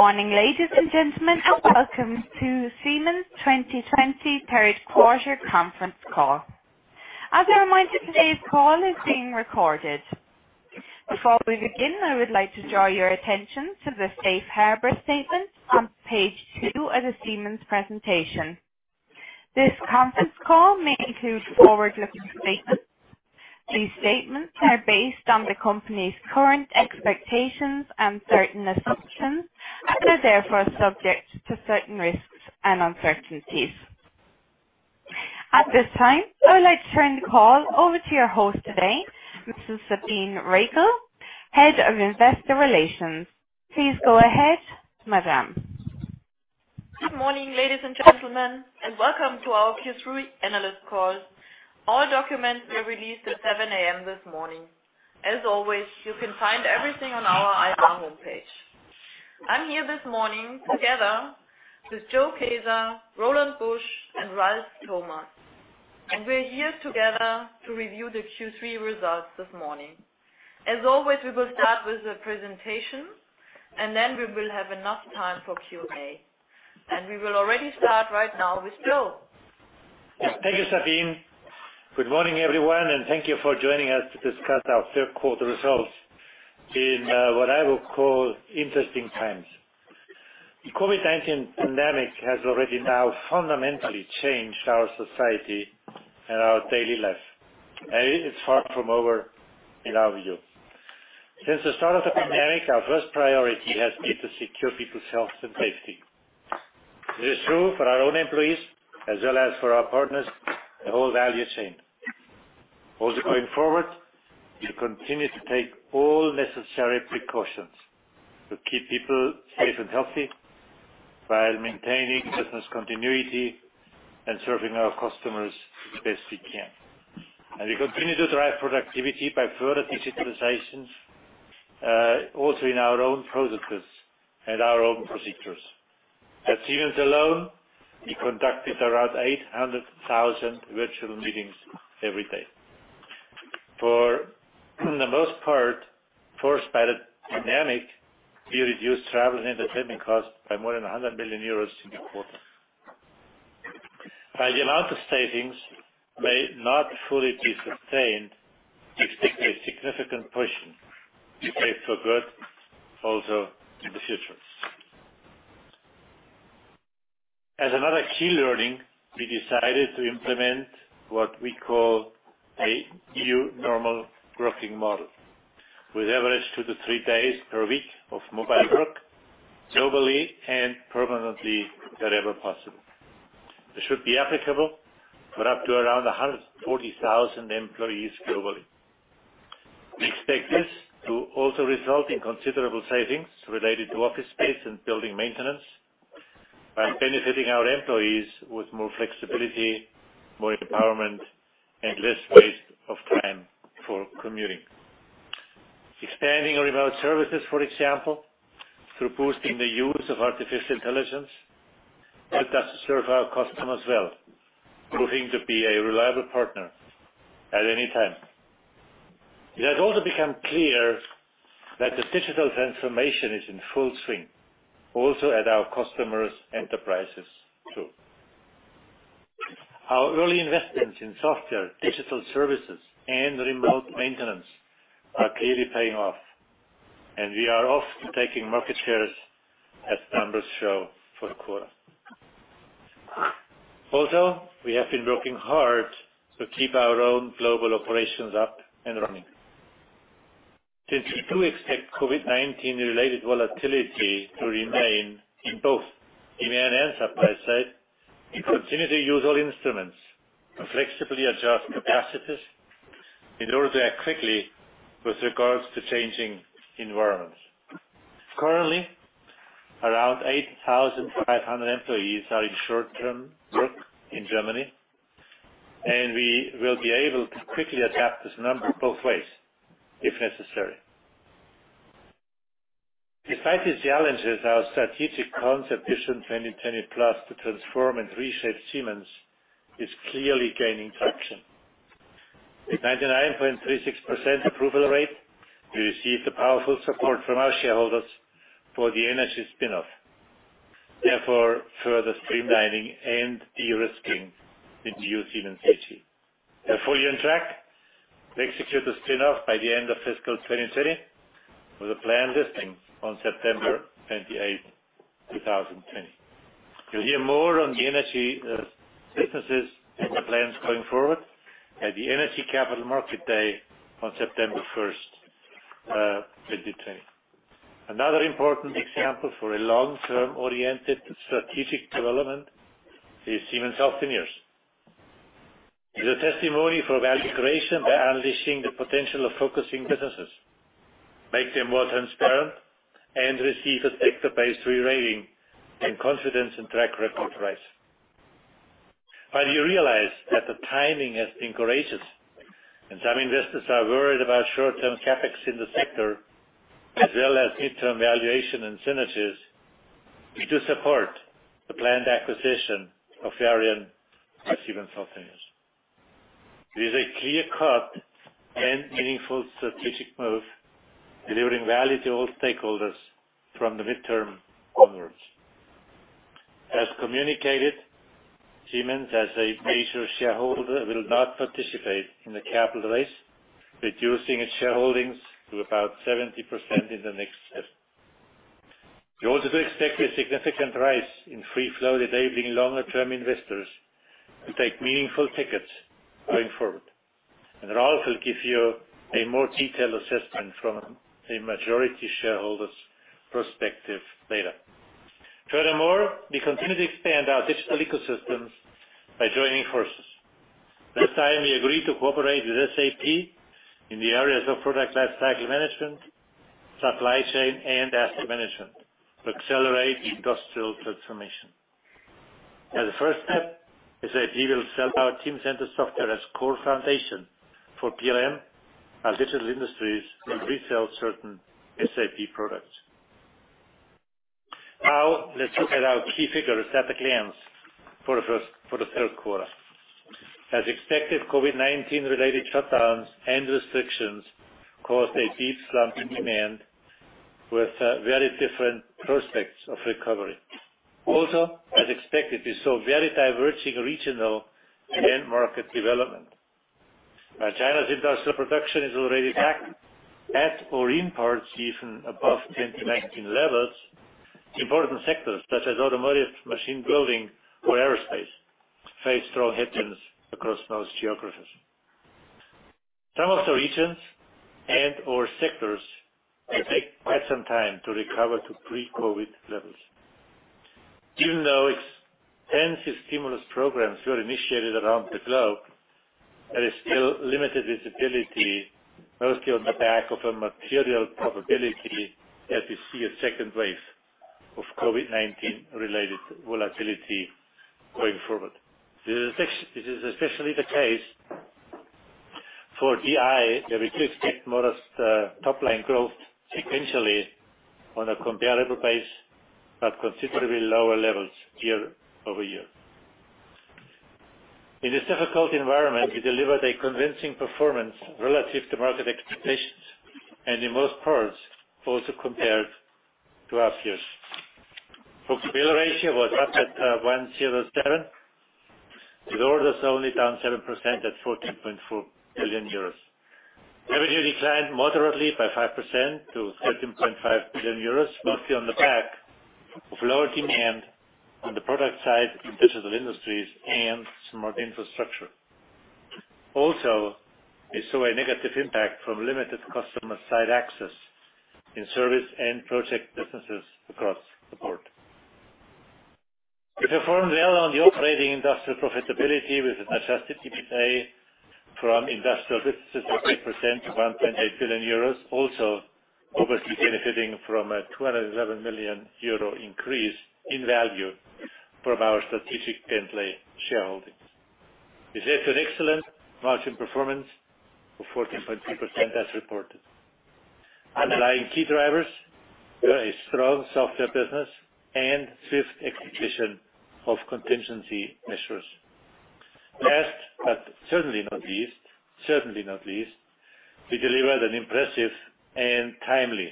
Good morning, ladies and gentlemen, Welcome to Siemens 2020 third quarter conference call. As a reminder, today's call is being recorded. Before we begin, I would like to draw your attention to the safe harbor statement on page two of the Siemens presentation. This conference call may include forward-looking statements. These statements are based on the company's current expectations and certain assumptions, and are therefore subject to certain risks and uncertainties. At this time, I would like to turn the call over to your host today, Mrs. Sabine Reichel, Head of Investor Relations. Please go ahead, madam. Good morning, ladies and gentlemen, and welcome to our Q3 analyst call. All documents were released at 7:00 AM this morning. As always, you can find everything on our IR homepage. I'm here this morning together with Joe Kaeser, Roland Busch, and Ralf Thomas, and we're here together to review the Q3 results this morning. As always, we will start with the presentation, and then we will have enough time for Q&A. We will already start right now with Joe. Thank you, Sabine. Good morning, everyone, thank you for joining us to discuss our third quarter results in what I would call interesting times. The COVID-19 pandemic has already now fundamentally changed our society and our daily life, and it is far from over in our view. Since the start of the pandemic, our first priority has been to secure people's health and safety. This is true for our own employees as well as for our partners, the whole value chain. Also going forward, we continue to take all necessary precautions to keep people safe and healthy while maintaining business continuity and serving our customers as best we can. We continue to drive productivity by further digitalizations, also in our own processes and our own procedures. At Siemens alone, we conducted around 800,000 virtual meetings every day. For the most part, forced by the pandemic, we reduced travel and entertainment costs by more than 100 million euros in the quarter. While the amount of savings may not fully be sustained, it's a significant portion we pay for good also in the future. As another key learning, we decided to implement what we call a new normal working model, with average two to three days per week of mobile work globally and permanently wherever possible. This should be applicable for up to around 140,000 employees globally. We expect this to also result in considerable savings related to office space and building maintenance by benefiting our employees with more flexibility, more empowerment, and less waste of time for commuting. Expanding our remote services, for example, through boosting the use of artificial intelligence, help us to serve our customers well, proving to be a reliable partner at any time. It has also become clear that the digital transformation is in full swing, also at our customers' enterprises too. Our early investments in software, digital services, and remote maintenance are clearly paying off, and we are also taking market shares as numbers show for the quarter. We have been working hard to keep our own global operations up and running. Since we do expect COVID-19 related volatility to remain in both demand and supply side, we continue to use all instruments and flexibly adjust capacities in order to act quickly with regards to changing environments. Currently, around 8,500 employees are in short-term work in Germany, and we will be able to quickly adapt this number both ways if necessary. Despite these challenges, our strategic concept, Vision 2020+, to transform and reshape Siemens is clearly gaining traction. With 99.36% approval rate, we received a powerful support from our shareholders for the Energy spin-off, therefore further streamlining and de-risking the new Siemens AG. We are fully on track to execute the spin-off by the end of fiscal 2020 with a planned listing on September 28th, 2020. You'll hear more on the Energy businesses and the plans going forward at the Energy Capital Markets Day on September 1st, 2020. Another important example for a long-term oriented strategic development is Siemens Healthineers. It is a testimony for value creation by unleashing the potential of focusing businesses, make them more transparent, and receive a sector-based re-rating and confidence in track record rise. While you realize that the timing has been courageous and some investors are worried about short-term CapEx in the sector as well as midterm valuation and synergies, we do support the planned acquisition of Varian by Siemens Healthineers. It is a clear-cut and meaningful strategic move, delivering value to all stakeholders from the midterm onwards. As communicated, Siemens, as a major shareholder, will not participate in the capital raise, reducing its shareholdings to about 70% in the next step. We also do expect a significant rise in free flow enabling longer-term investors to take meaningful tickets going forward. Ralf will give you a more detailed assessment from a majority shareholder's perspective later. Furthermore, we continue to expand our digital ecosystems by joining forces. This time we agreed to cooperate with SAP in the areas of product lifecycle management, supply chain, and asset management to accelerate industrial transformation. As a first step, SAP will sell our Teamcenter software as core foundation for PLM, as Digital Industries will resell certain SAP products. Let's look at our key figures at a glance for the third quarter. As expected, COVID-19 related shutdowns and restrictions caused a deep slump in demand with very different prospects of recovery. As expected, we saw very diverging regional end market development. While China's industrial production is already back at or in parts even above 2019 levels, important sectors such as automotive, machine building or aerospace face strong headwinds across most geographies. Some of the regions and/or sectors will take quite some time to recover to pre-COVID levels. Even though extensive stimulus programs were initiated around the globe, there is still limited visibility, mostly on the back of a material probability that we see a second wave of COVID-19 related volatility going forward. This is especially the case for DI, that we could see modest top-line growth sequentially on a comparable base, considerably lower levels year-over-year. In this difficult environment, we delivered a convincing performance relative to market expectations and in most parts, also compared to last years. Book-to-bill ratio was up at 1.07, with orders only down 7% at 14.4 billion euros. Revenue declined moderately by 5% to 13.5 billion euros, mostly on the back of lower demand on the product side in Digital Industries and Smart Infrastructure. We saw a negative impact from limited customer site access in service and project businesses across the board. We performed well on the operating industrial profitability with an adjusted EBITA from industrial businesses of 8% to 1.8 billion euros, obviously benefiting from a 211 million euro increase in value from our strategic Bentley shareholdings. This led to an excellent margin performance of 14.2% as reported. Underlying key drivers were a strong software business and swift execution of contingency measures. Last, but certainly not least, we delivered an impressive and timely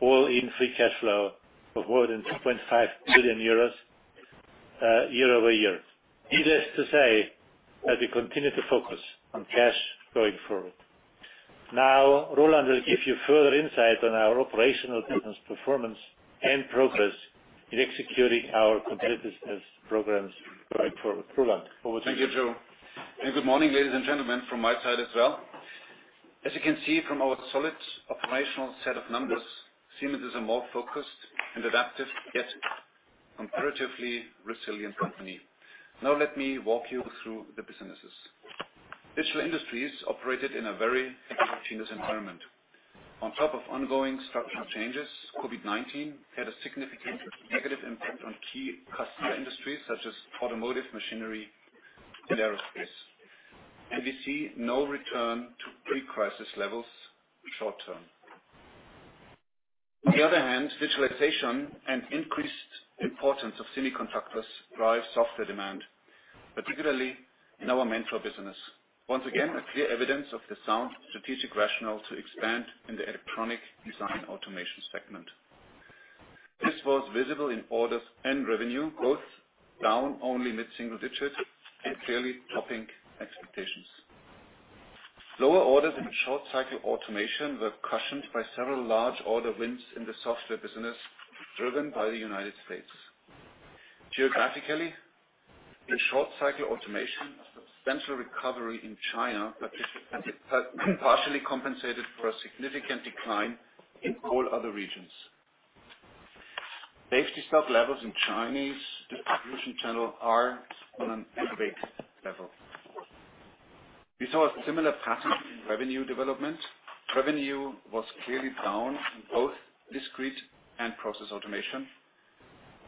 all-in free cash flow of more than 2.5 billion euros year-over-year. Needless to say that we continue to focus on cash going forward. Roland will give you further insight on our operational business performance and progress in executing our competitive business programs going forward. Roland, over to you. Thank you, Joe. Good morning, ladies and gentlemen, from my side as well. As you can see from our solid operational set of numbers, Siemens is a more focused and adaptive, yet comparatively resilient company. Now let me walk you through the businesses. Digital Industries operated in a very heterogeneous environment. On top of ongoing structural changes, COVID-19 had a significant negative impact on key customer industries such as automotive, machinery and aerospace. We see no return to pre-crisis levels short term. On the other hand, visualization and increased importance of semiconductors drive software demand, particularly in our Mentor business. Once again, a clear evidence of the sound strategic rationale to expand in the electronic design automation segment. This was visible in orders and revenue, both down only mid-single digits and clearly topping expectations. Lower orders in short cycle automation were cushioned by several large order wins in the software business, driven by the United States. Geographically, in short cycle automation, substantial recovery in China partially compensated for a significant decline in all other regions. Safety stock levels in Chinese distribution channel are on an adequate level. We saw a similar pattern in revenue development. Revenue was clearly down in both discrete and process automation,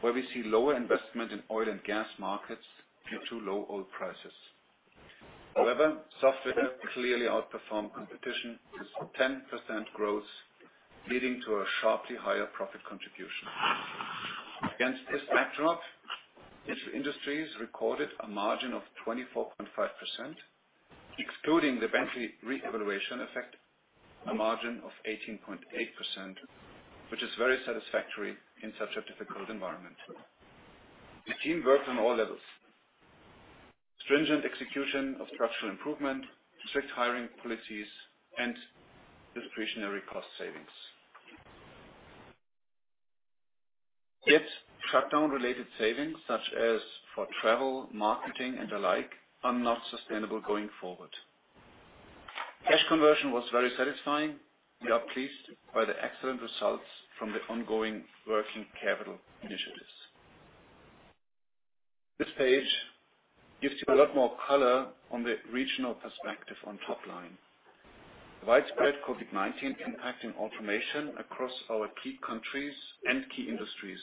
where we see lower investment in oil and gas markets due to low oil prices. Software clearly outperformed competition with 10% growth, leading to a sharply higher profit contribution. Against this backdrop, Digital Industries recorded a margin of 24.5%, excluding the Bentley reevaluation effect, a margin of 18.8%, which is very satisfactory in such a difficult environment. The team worked on all levels. Stringent execution of structural improvement, strict hiring policies, and discretionary cost savings. Shutdown-related savings, such as for travel, marketing, and the like, are not sustainable going forward. Cash conversion was very satisfying. We are pleased by the excellent results from the ongoing working capital initiatives. This page gives you a lot more color on the regional perspective on top line. The widespread COVID-19 impact in automation across our key countries and key industries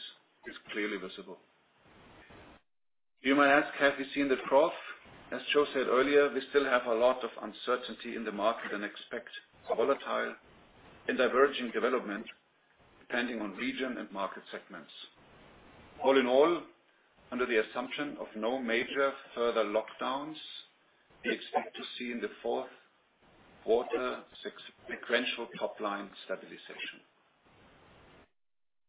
is clearly visible. You may ask, have we seen the trough? As Joe said earlier, we still have a lot of uncertainty in the market and expect volatile and diverging development depending on region and market segments. All in all, under the assumption of no major further lockdowns, we expect to see in the fourth quarter sequential top-line stabilization.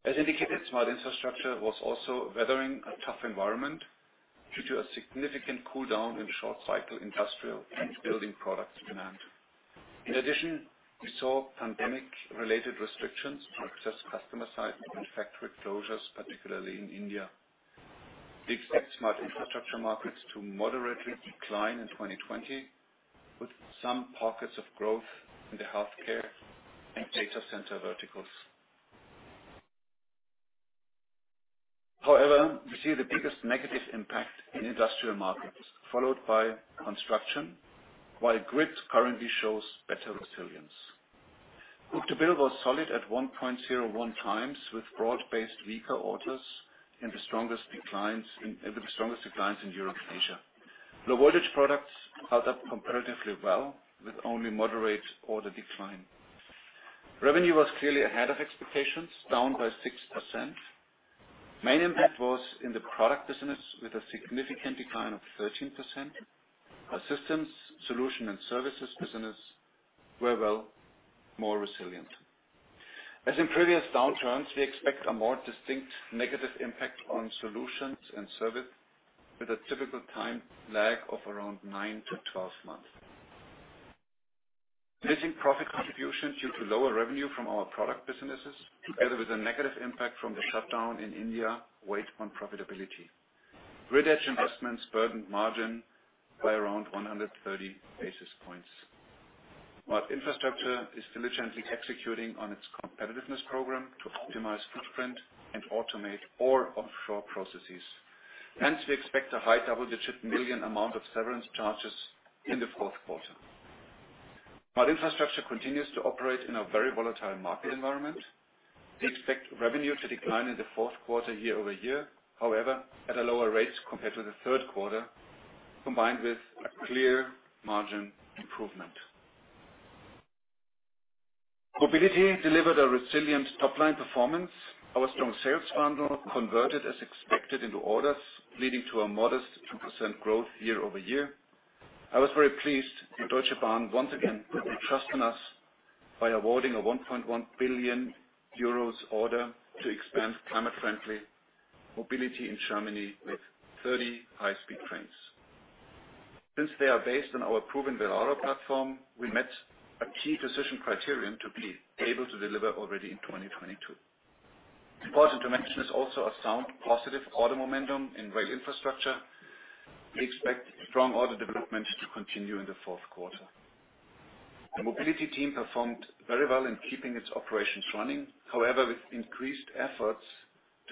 As indicated, Smart Infrastructure was also weathering a tough environment due to a significant cool down in short-cycle industrial and building products demand. In addition, we saw pandemic-related restrictions to access customer sites and factory closures, particularly in India. We expect Smart Infrastructure markets to moderately decline in 2020, with some pockets of growth in the healthcare and data center verticals. However, we see the biggest negative impact in industrial markets, followed by construction, while grid currently shows better resilience. Book-to-bill was solid at 1.01x with broad-based weaker orders and the strongest declines in Europe and Asia. Low-voltage products held up comparatively well with only moderate order decline. Revenue was clearly ahead of expectations, down by 6%. Main impact was in the product business with a significant decline of 13%. Our systems solution and services business were well, more resilient. As in previous downturns, we expect a more distinct negative impact on solutions and service with a typical time lag of around 9-12 months. Missing profit contribution due to lower revenue from our product businesses, together with a negative impact from the shutdown in India, weighed on profitability. Grid edge investments burdened margin by around 130 basis points, while Smart Infrastructure is diligently executing on its competitiveness program to optimize footprint and automate all offshore processes. We expect a high double-digit million amount of severance charges in the fourth quarter. Our Smart Infrastructure continues to operate in a very volatile market environment. We expect revenue to decline in the fourth quarter year-over-year. However, at a lower rate compared to the third quarter, combined with a clear margin improvement. Mobility delivered a resilient top-line performance. Our strong sales funnel converted as expected into orders, leading to a modest 2% growth year-over-year. I was very pleased that Deutsche Bahn once again put their trust in us by awarding a 1.1 billion euros order to expand climate friendly Mobility in Germany with 30 high-speed trains. Since they are based on our proven Velaro platform, we met a key decision criterion to be able to deliver already in 2022. Important to mention is also a sound positive order momentum in rail infrastructure. We expect strong order development to continue in the fourth quarter. The Mobility team performed very well in keeping its operations running, however, with increased efforts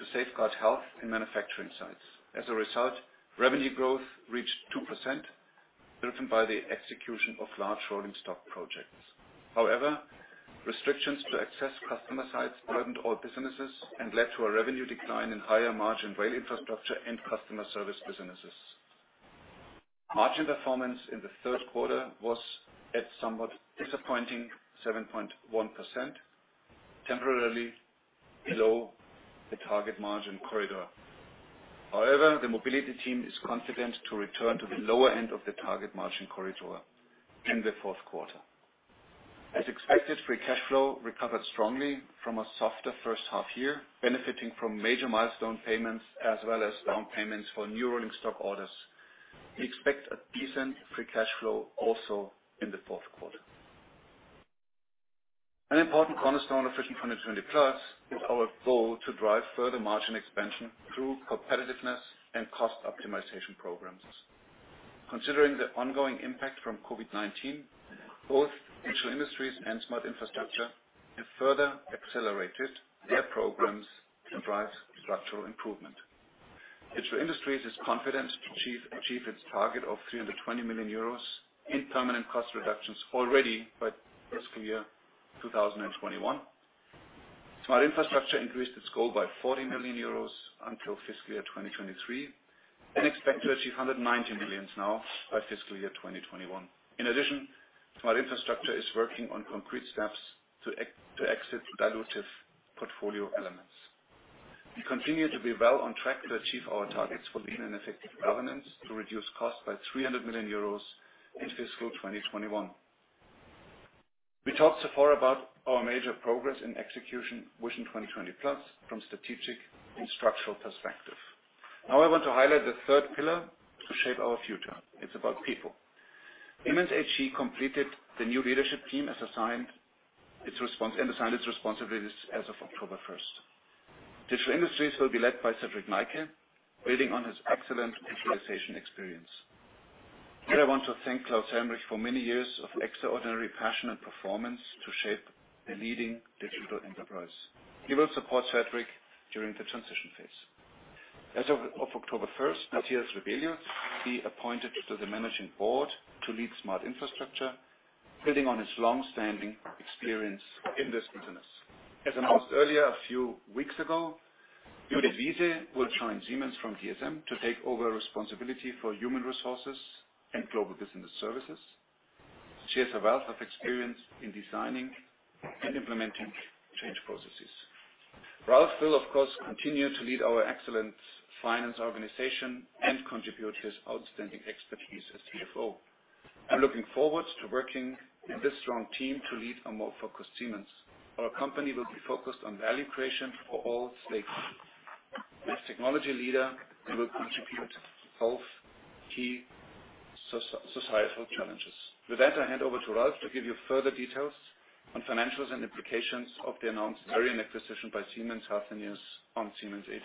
to safeguard health in manufacturing sites. As a result, revenue growth reached 2%, driven by the execution of large rolling stock projects. However, restrictions to access customer sites burdened all businesses and led to a revenue decline in higher margin rail infrastructure and customer service businesses. Margin performance in the third quarter was at somewhat disappointing 7.1%, temporarily below the target margin corridor. However, the Mobility team is confident to return to the lower end of the target margin corridor in the fourth quarter. As expected, free cash flow recovered strongly from a softer first half year, benefiting from major milestone payments as well as down payments for new rolling stock orders. We expect a decent free cash flow also in the fourth quarter. An important cornerstone of Vision 2020+ is our goal to drive further margin expansion through competitiveness and cost optimization programs. Considering the ongoing impact from COVID-19, both Digital Industries and Smart Infrastructure have further accelerated their programs to drive structural improvement. Digital Industries is confident to achieve its target of 320 million euros in permanent cost reductions already by fiscal year 2021. Smart Infrastructure increased its goal by 40 million euros until fiscal year 2023. Expect to achieve 190 million now by fiscal year 2021. In addition, Smart Infrastructure is working on concrete steps to exit dilutive portfolio elements. We continue to be well on track to achieve our targets for lean and effective governance to reduce costs by 300 million euros in fiscal 2021. We talked so far about our major progress in executing Vision 2020+ from strategic and structural perspective. I want to highlight the third pillar to shape our future. It's about people. Siemens AG completed the new leadership team and assigned its responsibilities as of October 1st. Digital Industries will be led by Cedrik Neike, building on his excellent digitalization experience. Here I want to thank Klaus Helmrich for many years of extraordinary passion and performance to shape the leading digital enterprise. He will support Cedrik during the transition phase. As of October 1st, Matthias Rebellius be appointed to the Managing Board to lead Smart Infrastructure, building on his long-standing experience in this business. As announced earlier, a few weeks ago, Judith Wiese will join Siemens from DSM to take over responsibility for human resources and global business services. She has a wealth of experience in designing and implementing change processes. Ralf will, of course, continue to lead our excellent finance organization and contribute his outstanding expertise as CFO. I'm looking forward to working in this strong team to lead a more focused Siemens. Our company will be focused on value creation for all stakeholders. As technology leader, we will contribute to solve key societal challenges. With that, I hand over to Ralf to give you further details on financials and implications of the announced Varian acquisition by Siemens Healthineers on Siemens AG.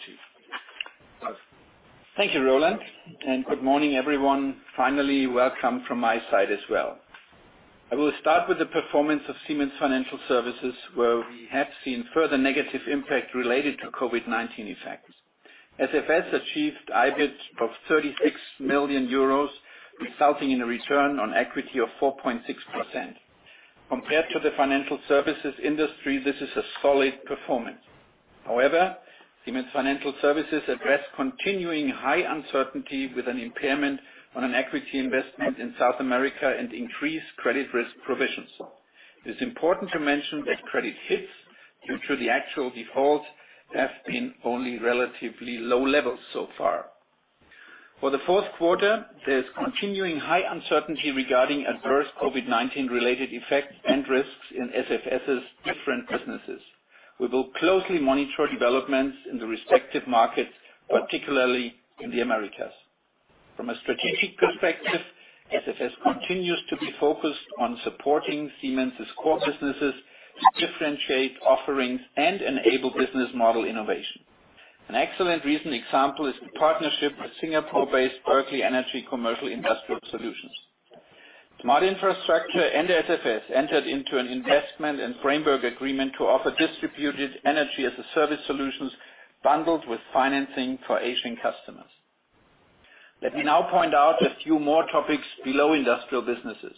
Ralf? Thank you, Roland. Good morning, everyone. Finally, welcome from my side as well. I will start with the performance of Siemens Financial Services, where we have seen further negative impact related to COVID-19 effects. SFS achieved IBIT of 36 million euros, resulting in a return on equity of 4.6%. Compared to the financial services industry, this is a solid performance. However, Siemens Financial Services addressed continuing high uncertainty with an impairment on an equity investment in South America and increased credit risk provisions. It's important to mention that credit hits due to the actual defaults have been only relatively low levels so far. For the fourth quarter, there's continuing high uncertainty regarding adverse COVID-19-related effects and risks in SFS' different businesses. We will closely monitor developments in the respective markets, particularly in the Americas. From a strategic perspective, SFS continues to be focused on supporting Siemens' core businesses to differentiate offerings and enable business model innovation. An excellent recent example is the partnership with Singapore-based Berkeley Energy Commercial Industrial Solutions. Smart Infrastructure and SFS entered into an investment and framework agreement to offer distributed Energy-as-a-service solutions bundled with financing for Asian customers. Let me now point out a few more topics below industrial businesses.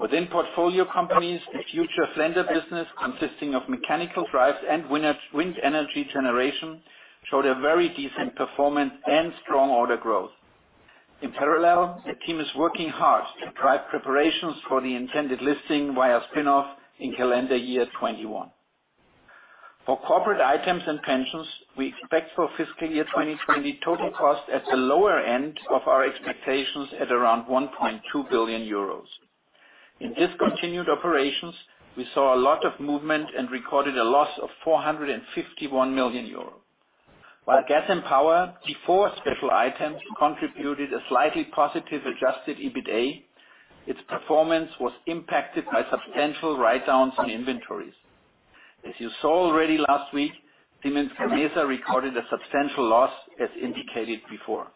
Within portfolio companies, the future Flender business consisting of mechanical drives and wind Energy generation showed a very decent performance and strong order growth. In parallel, the team is working hard to drive preparations for the intended listing via spin-off in calendar year 2021. For corporate items and pensions, we expect for fiscal year 2020 total cost at the lower end of our expectations at around 1.2 billion euros. In discontinued operations, we saw a lot of movement and recorded a loss of 451 million euros. While Gas and Power, before special items, contributed a slightly positive adjusted EBITA, its performance was impacted by substantial write-downs on inventories. As you saw already last week, Siemens Gamesa recorded a substantial loss as indicated before.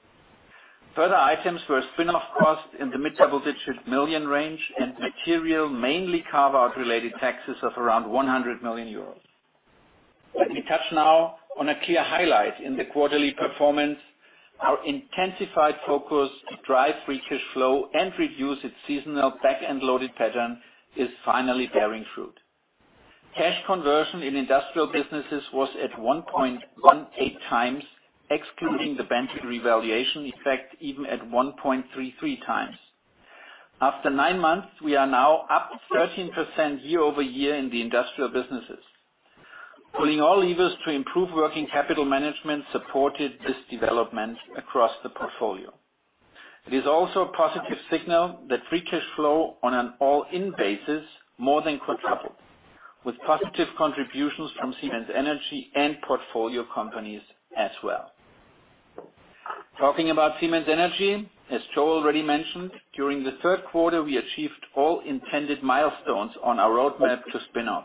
Further items were spin-off costs in the mid-double-digit million range and material, mainly carve-out related taxes of around 100 million euros. Let me touch now on a clear highlight in the quarterly performance. Our intensified focus to drive free cash flow and reduce its seasonal back-end loaded pattern is finally bearing fruit. Cash conversion in industrial businesses was at 1.18x, excluding the Bentley revaluation effect, even at 1.33x. After nine months, we are now up 13% year-over-year in the industrial businesses. Pulling all levers to improve working capital management supported this development across the portfolio. It is also a positive signal that free cash flow on an all-in basis more than quadrupled, with positive contributions from Siemens Energy and portfolio companies as well. Talking about Siemens Energy, as Joe already mentioned, during the third quarter, we achieved all intended milestones on our roadmap to spin off.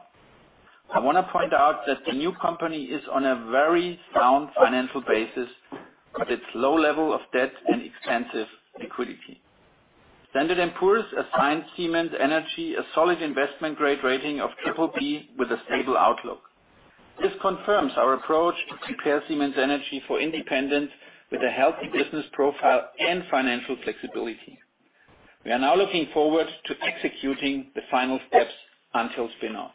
I want to point out that the new company is on a very sound financial basis with its low level of debt and extensive liquidity. Standard & Poor's assigned Siemens Energy a solid investment-grade rating of BBB with a stable outlook. This confirms our approach to prepare Siemens Energy for independence with a healthy business profile and financial flexibility. We are now looking forward to executing the final steps until spin-off.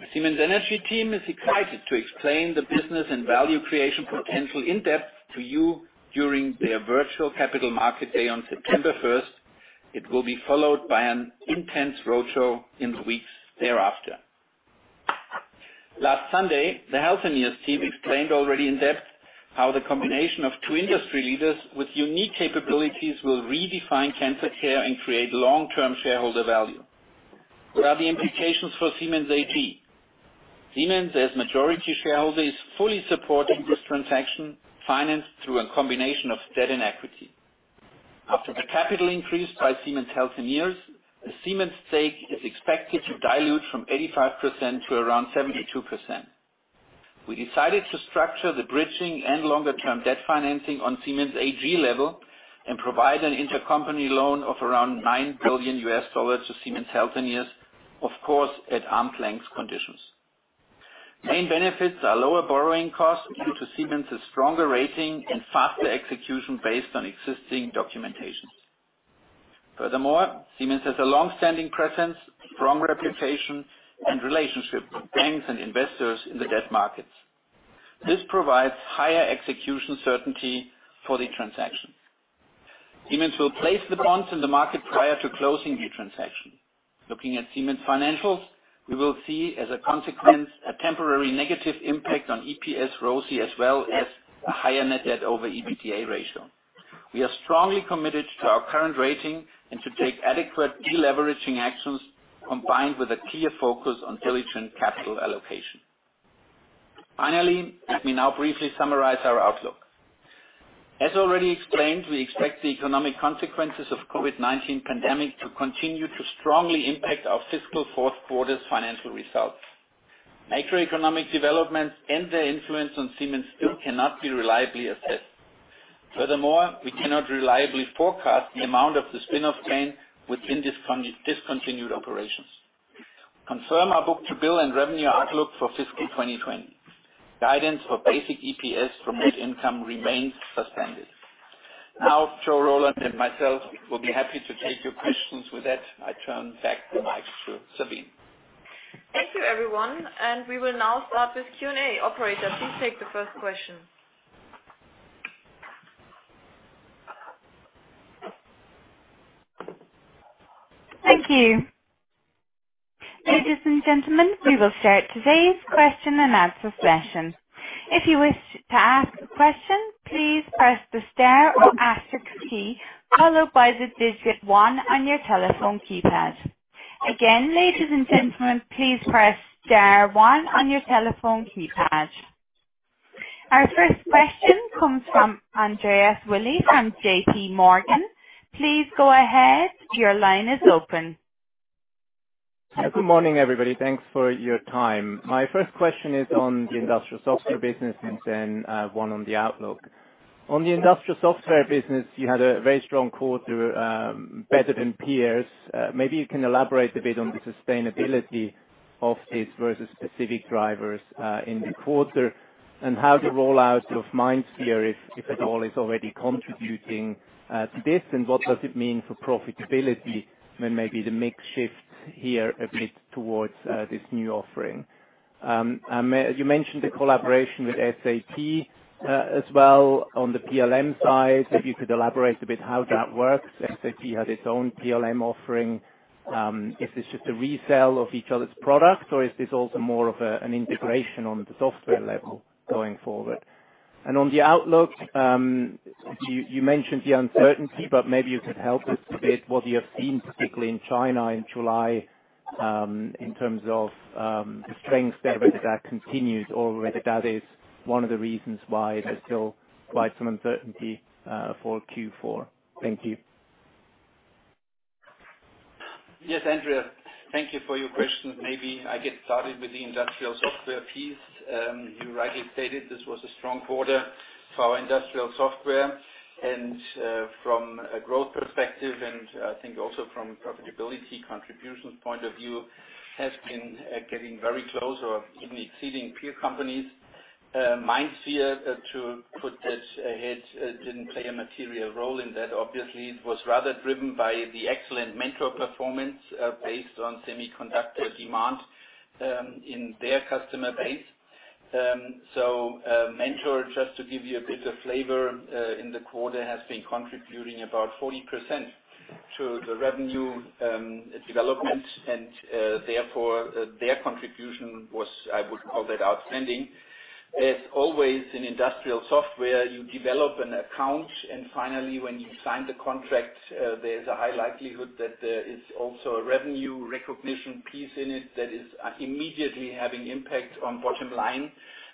The Siemens Energy team is excited to explain the business and value creation potential in depth to you during their virtual Capital Markets Day on September 1st. It will be followed by an intense roadshow in the weeks thereafter. Last Sunday, the Healthineers team explained already in depth how the combination of two industry leaders with unique capabilities will redefine cancer care and create long-term shareholder value. What are the implications for Siemens AG? Siemens, as majority shareholder, is fully supporting this transaction, financed through a combination of debt and equity. After a capital increase by Siemens Healthineers, the Siemens stake is expected to dilute from 85% to around 72%. We decided to structure the bridging and longer-term debt financing on Siemens AG level and provide an intercompany loan of around $9 billion to Siemens Healthineers, of course, at arm's length conditions. Main benefits are lower borrowing costs due to Siemens' stronger rating and faster execution based on existing documentations. Furthermore, Siemens has a long-standing presence, strong reputation, and relationship with banks and investors in the debt markets. This provides higher execution certainty for the transaction. Siemens will place the bonds in the market prior to closing the transaction. Looking at Siemens financials, we will see, as a consequence, a temporary negative impact on EPS, ROCE, as well as a higher net debt over EBITDA ratio. We are strongly committed to our current rating and to take adequate de-leveraging actions, combined with a clear focus on diligent capital allocation. Finally, let me now briefly summarize our outlook. As already explained, we expect the economic consequences of COVID-19 pandemic to continue to strongly impact our fiscal fourth quarter's financial results. Macroeconomic developments and their influence on Siemens still cannot be reliably assessed. Furthermore, we cannot reliably forecast the amount of the spin-off gain within discontinued operations. Confirm our book-to-bill and revenue outlook for fiscal 2020. Guidance for basic EPS from net income remains suspended. Now Joe, Roland, and myself will be happy to take your questions. With that, I turn back the mic to Sabine. Thank you, everyone, and we will now start with Q&A. Operator, please take the first question. Thank you. Ladies and gentlemen, we will start today's question and answer session. If you wish to ask a question, please press the star or asterisk key, followed by the digit one on your telephone keypad. Again, ladies and gentlemen, please press star one on your telephone keypad. Our first question comes from Andreas Willi from JPMorgan. Please go ahead, your line is open. Good morning, everybody. Thanks for your time. My first question is on the industrial software business and then one on the outlook. On the industrial software business, you had a very strong quarter, better than peers. Maybe you can elaborate a bit on the sustainability of this versus specific drivers in the quarter and how the rollout of MindSphere, if at all, is already contributing to this and what does it mean for profitability when maybe the mix shifts here a bit towards this new offering. You mentioned the collaboration with SAP as well on the PLM side. Maybe you could elaborate a bit how that works. SAP has its own PLM offering. If it's just a resale of each other's product, or is this also more of an integration on the software level going forward? On the outlook, you mentioned the uncertainty, but maybe you could help us a bit what you have seen, particularly in China in July, in terms of the strength there, whether that continues or whether that is one of the reasons why there is still quite some uncertainty for Q4. Thank you. Yes, Andreas, thank you for your questions. Maybe I get started with the industrial software piece. You rightly stated this was a strong quarter for our industrial software and from a growth perspective, and I think also from profitability contributions point of view, has been getting very close or even exceeding peer companies. MindSphere, to put this ahead, didn't play a material role in that. Obviously, it was rather driven by the excellent Mentor performance based on semiconductor demand in their customer base. Mentor, just to give you a bit of flavor, in the quarter, has been contributing about 40% to the revenue development, and therefore their contribution was, I would call that outstanding. As always, in industrial software, you develop an account, and finally, when you sign the contract, there's a high likelihood that there is also a revenue recognition piece in it that is immediately having impact on bottom line.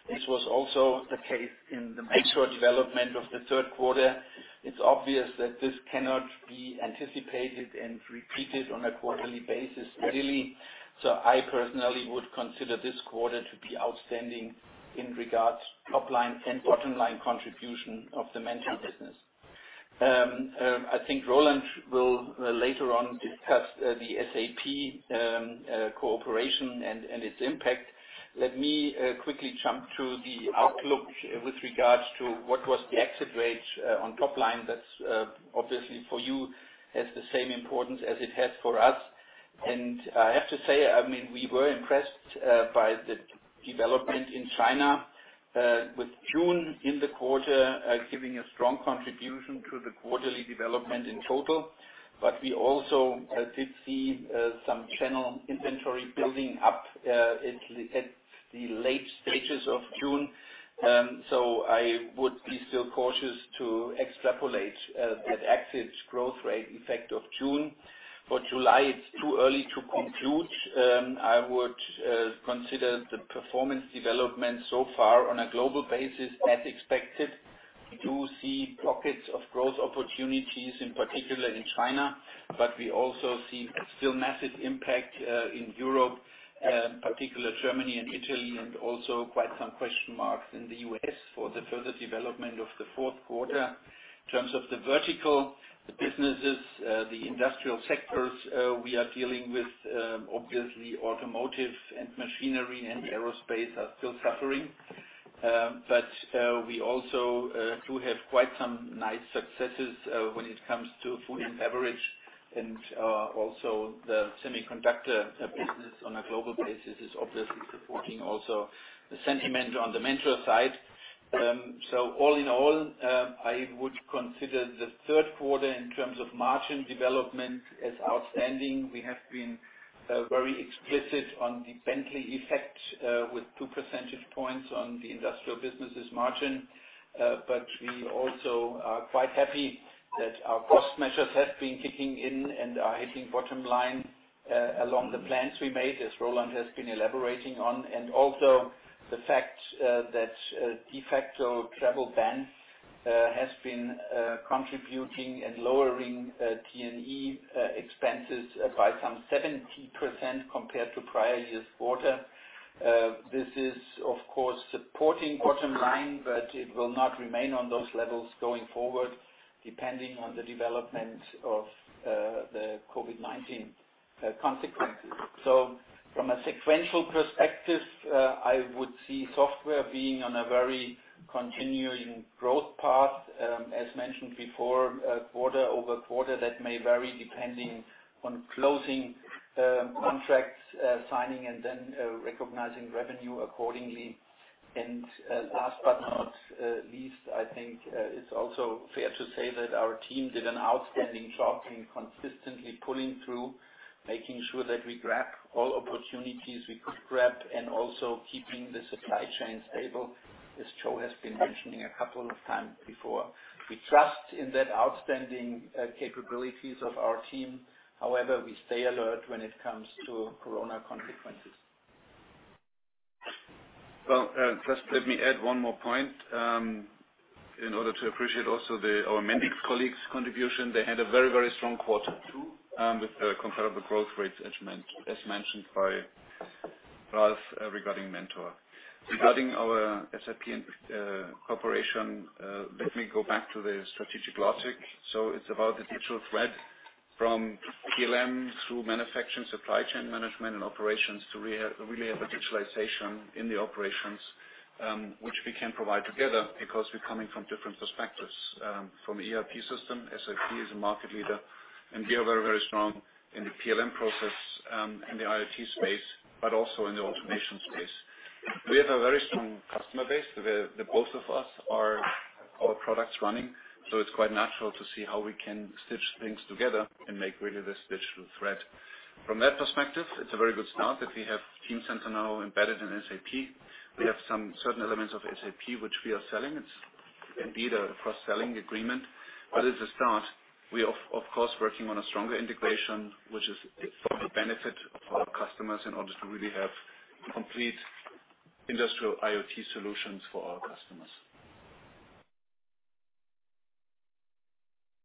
This was also the case in the Mentor development of the third quarter. It's obvious that this cannot be anticipated and repeated on a quarterly basis readily. I personally would consider this quarter to be outstanding in regards top line and bottom line contribution of the Mentor business. I think Roland will later on discuss the SAP cooperation and its impact. Let me quickly jump to the outlook with regards to what was the exit rate on top line. That obviously for you has the same importance as it has for us. I have to say, we were impressed by the development in China with June in the quarter giving a strong contribution to the quarterly development in total. We also did see some channel inventory building up at the late stages of June. I would be still cautious to extrapolate that exit growth rate effect of June. For July, it's too early to conclude. I would consider the performance development so far on a global basis as expected. We do see pockets of growth opportunities, in particular in China, but we also see still massive impact in Europe, in particular Germany and Italy, and also quite some question marks in the U.S. for the further development of the fourth quarter. In terms of the vertical, the businesses, the industrial sectors, we are dealing with obviously automotive and machinery and aerospace are still suffering. We also do have quite some nice successes when it comes to food and beverage and also the semiconductor business on a global basis is obviously supporting also the sentiment on the Mentor side. All in all, I would consider the third quarter in terms of margin development as outstanding. We have been very explicit on the Bentley effect with 2 percentage points on the industrial businesses margin. We also are quite happy that our cost measures have been kicking in and are hitting bottom line along the plans we made, as Roland has been elaborating on. Also the fact that de facto travel bans has been contributing and lowering T&E expenses by some 70% compared to prior year's quarter. This is, of course, supporting bottom line, but it will not remain on those levels going forward, depending on the development of the COVID-19 consequences. From a sequential perspective, I would see software being on a very continuing growth path. As mentioned before, quarter-over-quarter, that may vary depending on closing contracts, signing, and then recognizing revenue accordingly. Last but not least, I think it's also fair to say that our team did an outstanding job in consistently pulling through, making sure that we grab all opportunities we could grab, and also keeping the supply chain stable, as Joe has been mentioning a couple of times before. We trust in that outstanding capabilities of our team. However, we stay alert when it comes to corona consequences. Well, just let me add one more point. In order to appreciate also our Mendix colleagues' contribution, they had a very strong quarter too, with comparable growth rates, as mentioned by Ralf regarding Mentor. Regarding our SAP cooperation, let me go back to the strategic logic. It's about the digital thread from PLM through manufacturing, supply chain management and operations to really have a digitalization in the operations, which we can provide together because we're coming from different perspectives. From ERP system, SAP is a market leader, and we are very strong in the PLM process, in the IoT space, but also in the automation space. We have a very strong customer base. The both of us have our products running, so it's quite natural to see how we can stitch things together and make really this digital thread. From that perspective, it's a very good start that we have Teamcenter now embedded in SAP. We have some certain elements of SAP which we are selling. It's indeed a cross-selling agreement, but it's a start. We are of course working on a stronger integration, which is for the benefit of our customers in order to really have complete industrial IoT solutions for our customers.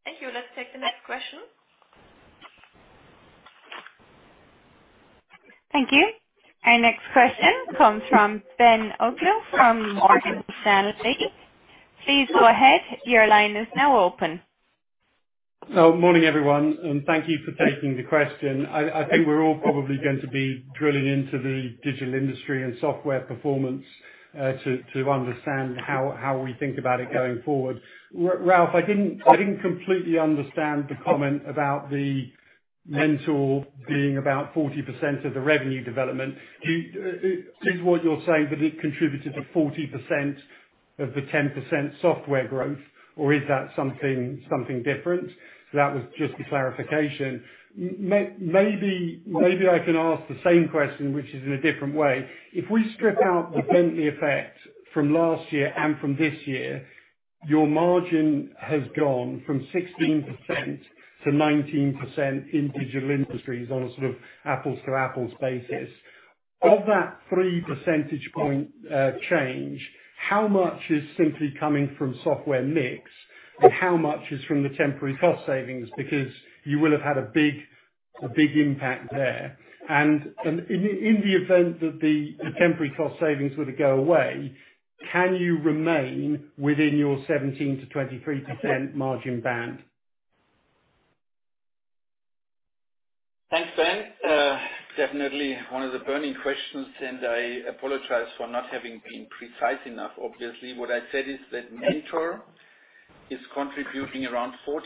Thank you. Let's take the next question. Thank you. Our next question comes from Ben Uglow from Morgan Stanley. Please go ahead, your line is now open. Morning, everyone. Thank you for taking the question. I think we're all probably going to be drilling into the Digital Industries and software performance to understand how we think about it going forward. Ralf, I didn't completely understand the comment about the Mentor being about 40% of the revenue development. Is what you're saying that it contributed to 40% of the 10% software growth, or is that something different? That was just a clarification. Maybe I can ask the same question, which is in a different way. If we strip out the Bentley effect from last year and from this year, your margin has gone from 16%-19% in Digital Industries on a sort of apples-to-apples basis. Of that three percentage point change, how much is simply coming from software mix and how much is from the temporary cost savings? Because you will have had a big impact there. In the event that the temporary cost savings were to go away, can you remain within your 17%-23% margin band? Thanks, Ben. Definitely one of the burning questions. I apologize for not having been precise enough, obviously. What I said is that Mentor is contributing around 40%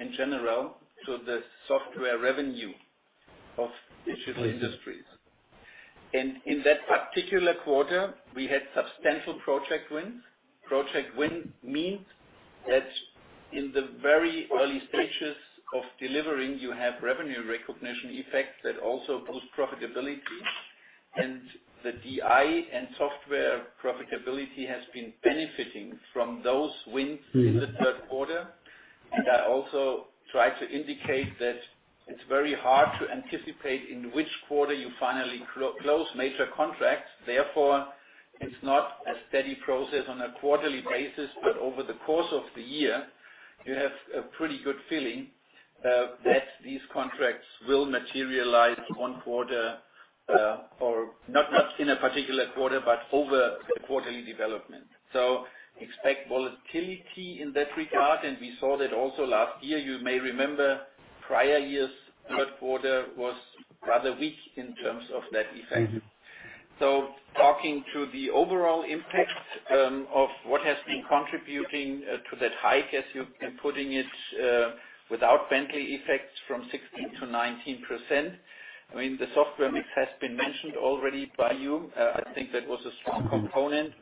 in general to the software revenue of Digital Industries. In that particular quarter, we had substantial project wins. Project win means that in the very early stages of delivering, you have revenue recognition effects that also boost profitability. The DI and software profitability has been benefiting from those wins in the third quarter. I also try to indicate that it's very hard to anticipate in which quarter you finally close major contracts. Therefore, it's not a steady process on a quarterly basis, but over the course of the year, you have a pretty good feeling that these contracts will materialize one quarter, or not in a particular quarter, but over a quarterly development. Expect volatility in that regard. We saw that also last year. You may remember prior year's third quarter was rather weak in terms of that effect. Talking to the overall impact of what has been contributing to that hike, as you've been putting it, without Bentley effects from 16%-19%. I mean, the software mix has been mentioned already by you. I think that was a strong component.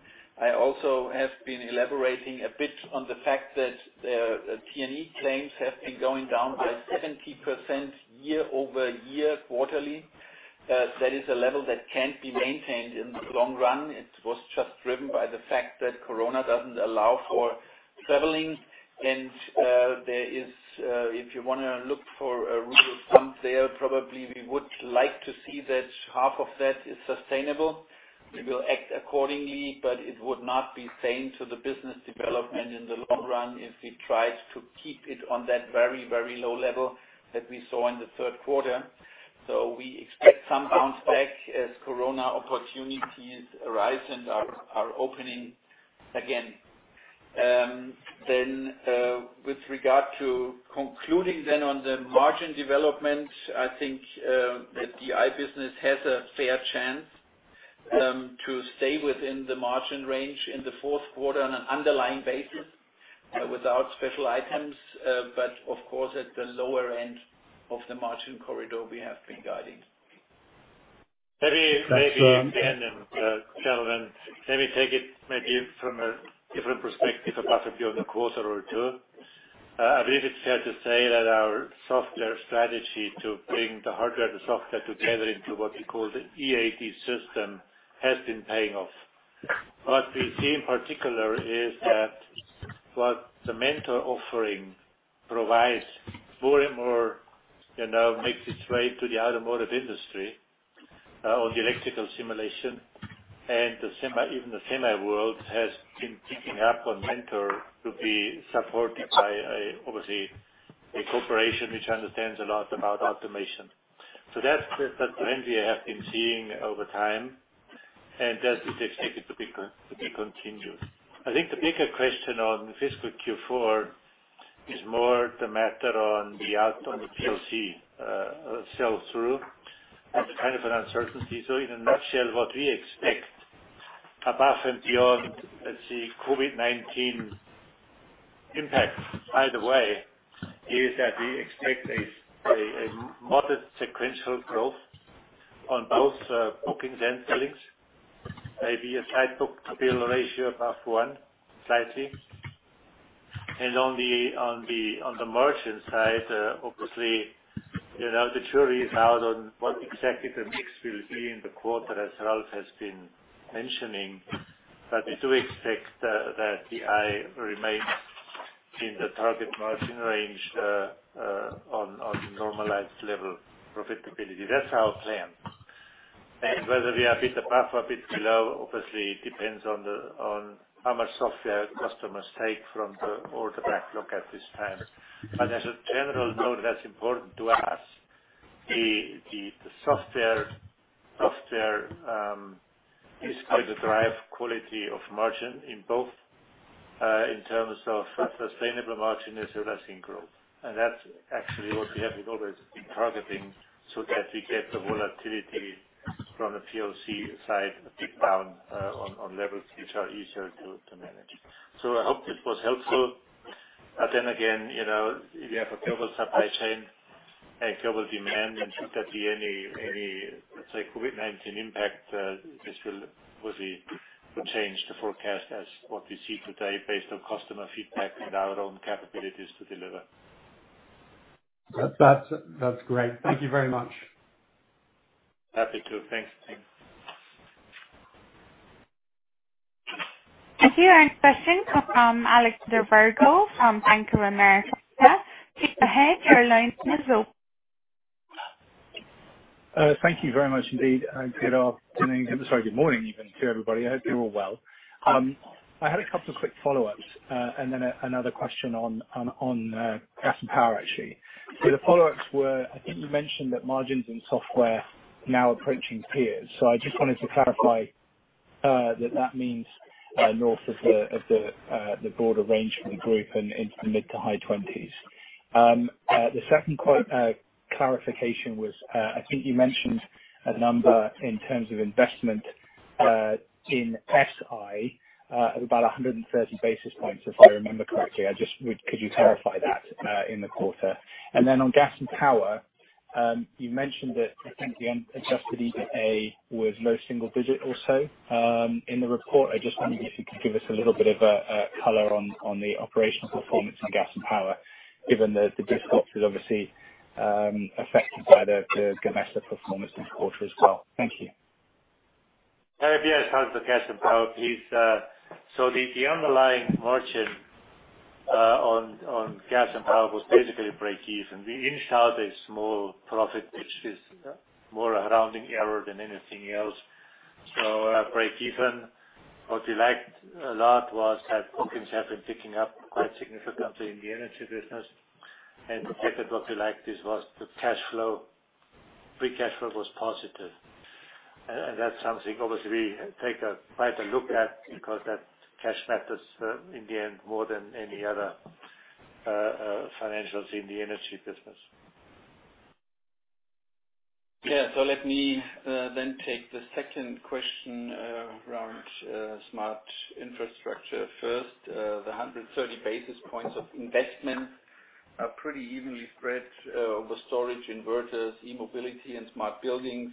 I also have been elaborating a bit on the fact that T&E claims have been going down by 70% year-over-year quarterly. That is a level that can't be maintained in the long run. It was just driven by the fact that corona doesn't allow for traveling. If you want to look for a rule of thumb there, probably we would like to see that half of that is sustainable. We will act accordingly, it would not be sane to the business development in the long run if we tried to keep it on that very low level that we saw in the third quarter. We expect some bounce back as corona opportunities arise and are opening again. With regard to concluding then on the margin development, I think the DI business has a fair chance to stay within the margin range in the fourth quarter on an underlying basis without special items. Of course, at the lower end of the margin corridor we have been guiding. Maybe again, gentlemen, let me take it maybe from a different perspective above and beyond a quarter or two. I believe it's fair to say that our software strategy to bring the hardware and software together into what we call the EDA system has been paying off. What we see in particular is that what the Mentor offering provides more and more, makes its way to the automotive industry on the electrical simulation. Even the semi world has been picking up on Mentor to be supported by, obviously, a corporation which understands a lot about automation. That trend we have been seeing over time, and that is expected to be continuous. I think the bigger question on fiscal Q4 is more the matter on the outcome of PLC sell through. That's kind of an uncertainty. In a nutshell, what we expect above and beyond, let's say, COVID-19 impact, by the way, is that we expect a modest sequential growth on both bookings and billings, maybe a tight book-to-bill ratio above one, slightly. On the margin side, obviously, the jury is out on what exactly the mix will be in the quarter, as Ralf has been mentioning. We do expect that DI remains in the target margin range on normalized level profitability. That's our plan. Whether we are a bit above, a bit below, obviously, it depends on how much software customers take from the order backlog at this time. As a general note, that's important to us. The software is going to drive quality of margin in both, in terms of sustainable margin as well as in growth. That's actually what we have always been targeting so that we get the volatility from the PLC side to tick down on levels which are easier to manage. I hope this was helpful. Again, we have a global supply chain and global demand, and should there be any, let's say, COVID-19 impact, this will obviously change the forecast as what we see today based on customer feedback and our own capabilities to deliver. That's great. Thank you very much. Happy to. Thanks. Your next question come from Alexander Virgo from Bank of America. Please go ahead, your line is open. Thank you very much indeed. Good afternoon, sorry, good morning even to everybody. I hope you're all well. I had a couple of quick follow-ups, and then another question on Gas and Power, actually. The follow-ups were, I think you mentioned that margins in software now approaching peers. I just wanted to clarify that means north of the broader range for the group and into the mid to high 20s. The second clarification was, I think you mentioned a number in terms of investment in SI of about 130 basis points, if I remember correctly. Could you clarify that in the quarter? On Gas and Power, you mentioned that I think the adjusted EBITA was low single digit also. In the report, I just wondered if you could give us a little bit of color on the operational performance on Gas and Power, given that the group was obviously affected by the Siemens performance this quarter as well. Thank you. Yes. Thanks for Gas and Power, please. The underlying margin on Gas and Power was basically breakeven. We inched out a small profit, which is more a rounding error than anything else. Breakeven. What we liked a lot was that bookings have been picking up quite significantly in the Energy business. The second what we liked is was the free cash flow was positive. That's something obviously we take a tighter look at because cash matters in the end more than any other financials in the Energy business. Yeah. Let me then take the second question around Smart Infrastructure first. The 130 basis points of investment are pretty evenly spread over storage, inverters, eMobility, and smart buildings.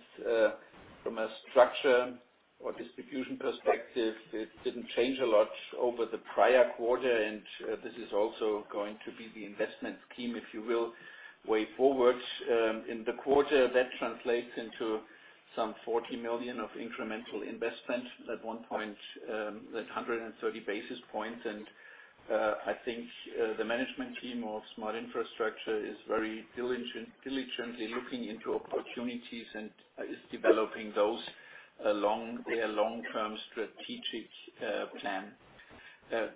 From a structure or distribution perspective, it didn't change a lot over the prior quarter, and this is also going to be the investment scheme, if you will, way forward. In the quarter, that translates into some 40 million of incremental investment at one point, that 130 basis points. I think the management team of Smart Infrastructure is very diligently looking into opportunities and is developing those along their long-term strategic plan.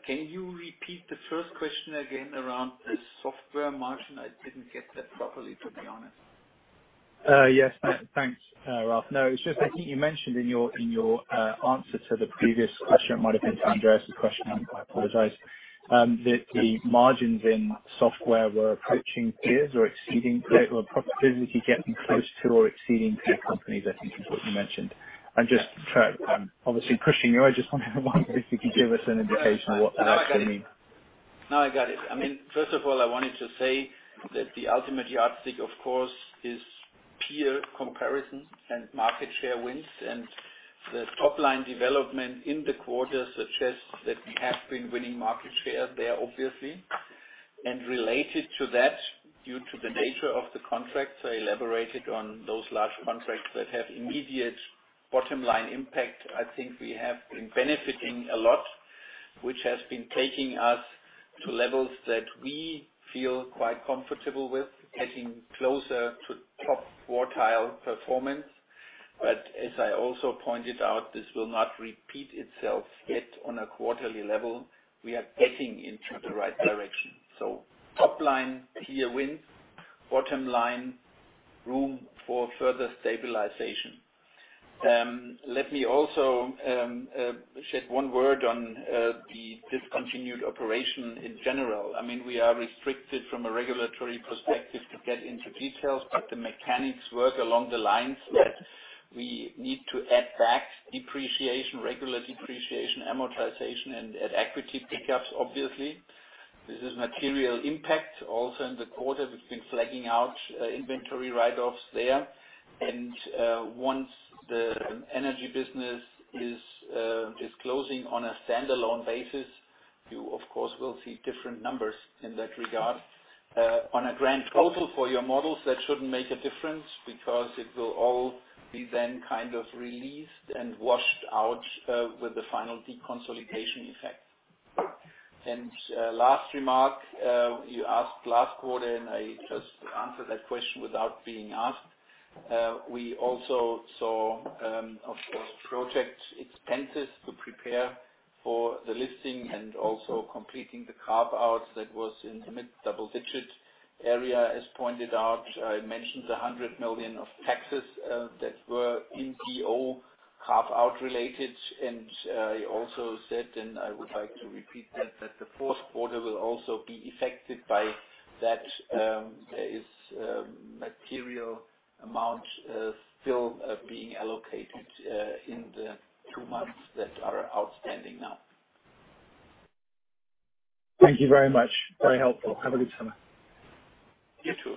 Can you repeat the first question again around the software margin? I didn't get that properly, to be honest. Yes. Thanks, Ralf. It's just, I think you mentioned in your answer to the previous question, it might have been to Andreas' question, I apologize, that the margins in software were approaching peers or profitability getting close to or exceeding peer companies, I think is what you mentioned. I'm just obviously pushing you. I just want to wonder if you could give us an indication of what that actually means. No, I got it. First of all, I wanted to say that the ultimate yardstick, of course, is peer comparison and market share wins. The top-line development in the quarter suggests that we have been winning market share there, obviously. Related to that, due to the nature of the contracts I elaborated on, those large contracts that have immediate bottom-line impact, I think we have been benefiting a lot, which has been taking us to levels that we feel quite comfortable with getting closer to top quartile performance. As I also pointed out, this will not repeat itself yet on a quarterly level. We are getting into the right direction. Top-line, peer wins. Bottom-line, room for further stabilization. Let me also shed one word on the discontinued operation in general. We are restricted from a regulatory perspective to get into details, but the mechanics work along the lines that we need to add back depreciation, regular depreciation, amortization, and add equity pick-ups, obviously. This is material impact also in the quarter. We've been flagging out inventory write-offs there. Once the Energy business is closing on a standalone basis, you, of course, will see different numbers in that regard. On a grand total for your models, that shouldn't make a difference because it will all be then released and washed out with the final deconsolidation effect. Last remark, you asked last quarter, and I just answered that question without being asked. We also saw, of course, project expenses to prepare for the listing and also completing the carve-out that was in the mid-double-digit area. As pointed out, I mentioned the 100 million of taxes that were in DO carve-out related. I also said, and I would like to repeat that the fourth quarter will also be affected by that. There is a material amount still being allocated in the two months that are outstanding now. Thank you very much. Very helpful. Have a good summer. You too.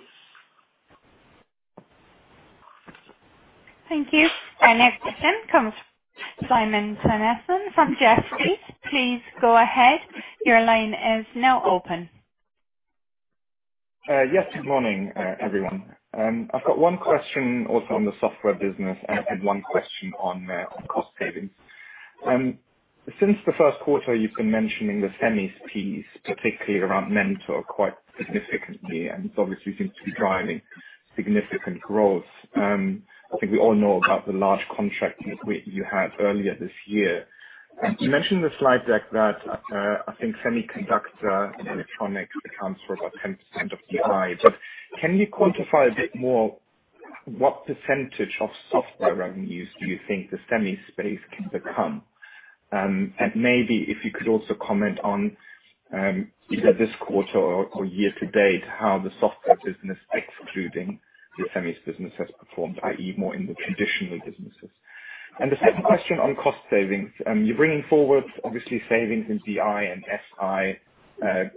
Thank you. Our next question comes Simon Toennessen from Jefferies. Please go ahead, your line is now open. Good morning, everyone. I've got one question also on the software business and one question on cost savings. Since the first quarter, you've been mentioning the semis piece, particularly around Mentor, quite significantly, it obviously seems to be driving significant growth. I think we all know about the large contract you had earlier this year. You mentioned in the slide deck that I think semiconductor and electronics accounts for about 10% of SI. Can you quantify a bit more. What percentage of software revenues do you think the semi space can become? Maybe if you could also comment on, either this quarter or year-to-date, how the software business excluding the semis business has performed, i.e., more in the traditional businesses. The second question on cost savings. You're bringing forward, obviously, savings in DI and SI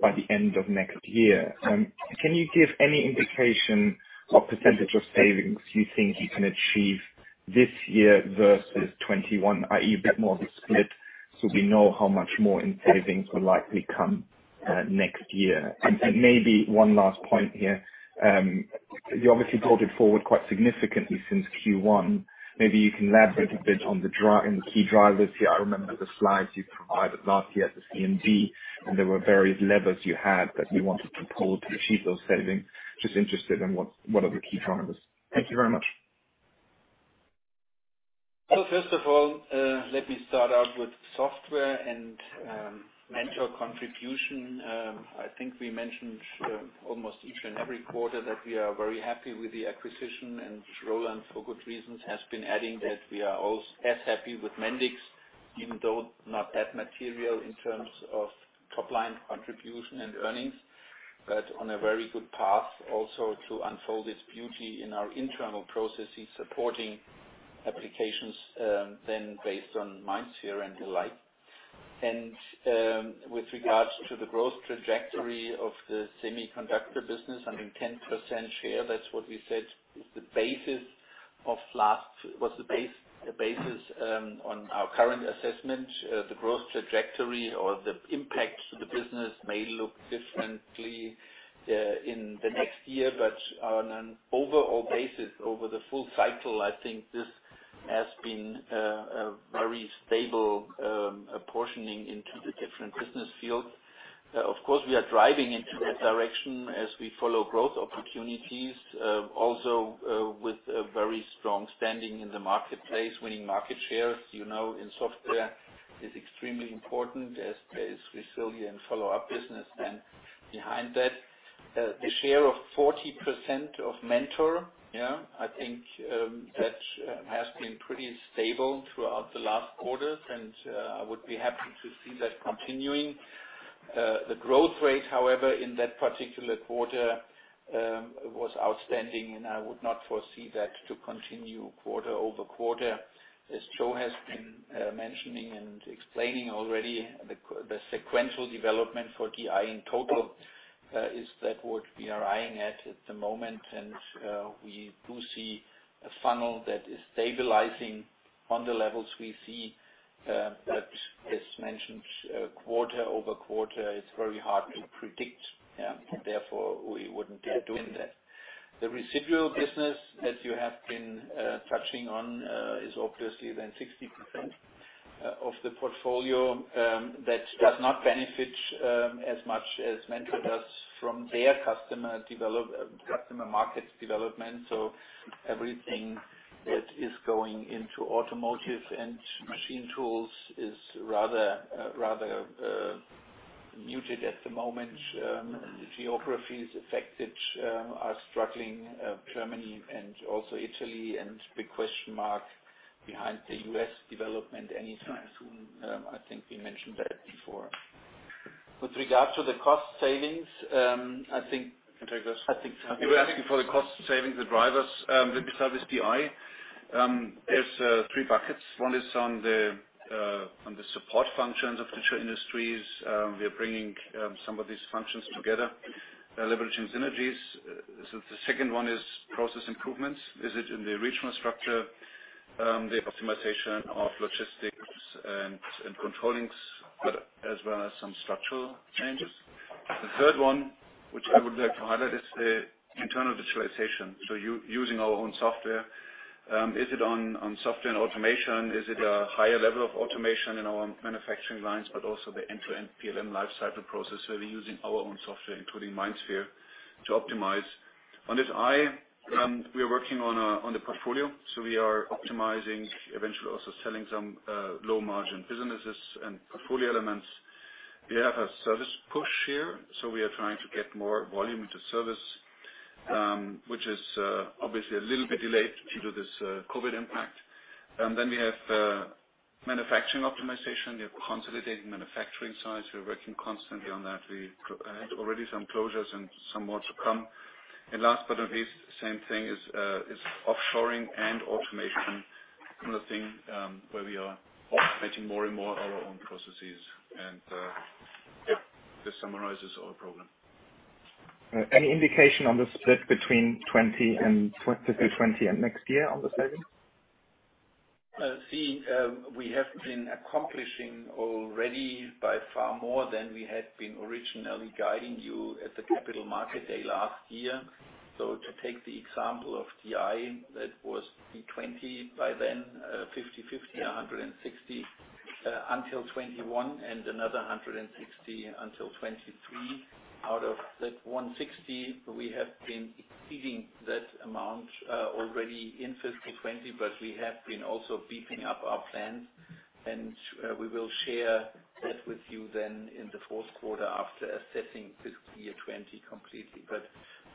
by the end of next year. Can you give any indication of percentage of savings you think you can achieve this year versus 2021, i.e., a bit more of a split, so we know how much more in savings will likely come next year? Maybe one last point here. You obviously brought it forward quite significantly since Q1. Maybe you can elaborate a bit on the key drivers here. I remember the slides you provided last year at the CMD, and there were various levers you had that you wanted to pull to achieve those savings. Just interested in what are the key drivers. Thank you very much. First of all, let me start out with software and Mentor contribution. I think we mentioned almost each and every quarter that we are very happy with the acquisition, and Roland, for good reasons, has been adding that we are as happy with Mendix, even though not that material in terms of top-line contribution and earnings. On a very good path also to unfold its beauty in our internal processes, supporting applications then based on MindSphere and the like. With regards to the growth trajectory of the semiconductor business, I mean, 10% share, that's what we said was the basis on our current assessment. The growth trajectory or the impact to the business may look differently in the next year. On an overall basis, over the full cycle, I think this has been a very stable portioning into the different business fields. Of course, we are driving into that direction as we follow growth opportunities, also with a very strong standing in the marketplace, winning market share. You know, in software it's extremely important as resilient follow-up business. Behind that, the share of 40% of Mentor, yeah, I think that has been pretty stable throughout the last quarters, and I would be happy to see that continuing. The growth rate, however, in that particular quarter was outstanding, and I would not foresee that to continue quarter-over-quarter. As Joe has been mentioning and explaining already, the sequential development for DI in total is that what we are eyeing at at the moment, and we do see a funnel that is stabilizing on the levels we see. As mentioned, quarter-over-quarter, it's very hard to predict. Yeah. Therefore, we wouldn't be doing that. The residual business that you have been touching on is obviously 60% of the portfolio that does not benefit as much as Mentor does from their customer markets development. Everything that is going into automotive and machine tools is rather muted at the moment. The geographies affected are struggling, Germany and also Italy, and big question mark behind the U.S. development anytime soon. I think we mentioned that before. With regard to the cost savings, I think. I can take this. I think so. You were asking for the cost savings, the drivers. Let me start with DI. There's three buckets. One is on the support functions of Digital Industries. We are bringing some of these functions together, leveraging synergies. The second one is process improvements. Is it in the regional structure, the optimization of logistics and controllings, as well as some structural changes? The third one, which I would like to highlight, is the internal digitalization, using our own software. Is it on software and automation? Is it a higher level of automation in our manufacturing lines, but also the end-to-end PLM lifecycle process, where we're using our own software, including MindSphere, to optimize. On DI, we are working on the portfolio. We are optimizing, eventually also selling some low-margin businesses and portfolio elements. We have a service push here, so we are trying to get more volume into service, which is obviously a little bit delayed due to this COVID impact. We have manufacturing optimization. We are consolidating manufacturing sites. We are working constantly on that. We had already some closures and some more to come. Last but not least, same thing, is offshoring and automation. Another thing where we are automating more and more our own processes. This summarizes our program. Any indication on the split between fiscal 2020 and next year for this revenue? We have been accomplishing already by far more than we had been originally guiding you at the Capital Markets Day last year. To take the example of DI, that was the 320 million by then, 50/50, 160 million until 2021, and another 160 million until 2023. Out of that 160 million, we have been exceeding that amount already in fiscal 2020, we have been also beefing up our plans, and we will share that with you then in the fourth quarter after assessing fiscal year 2020 completely.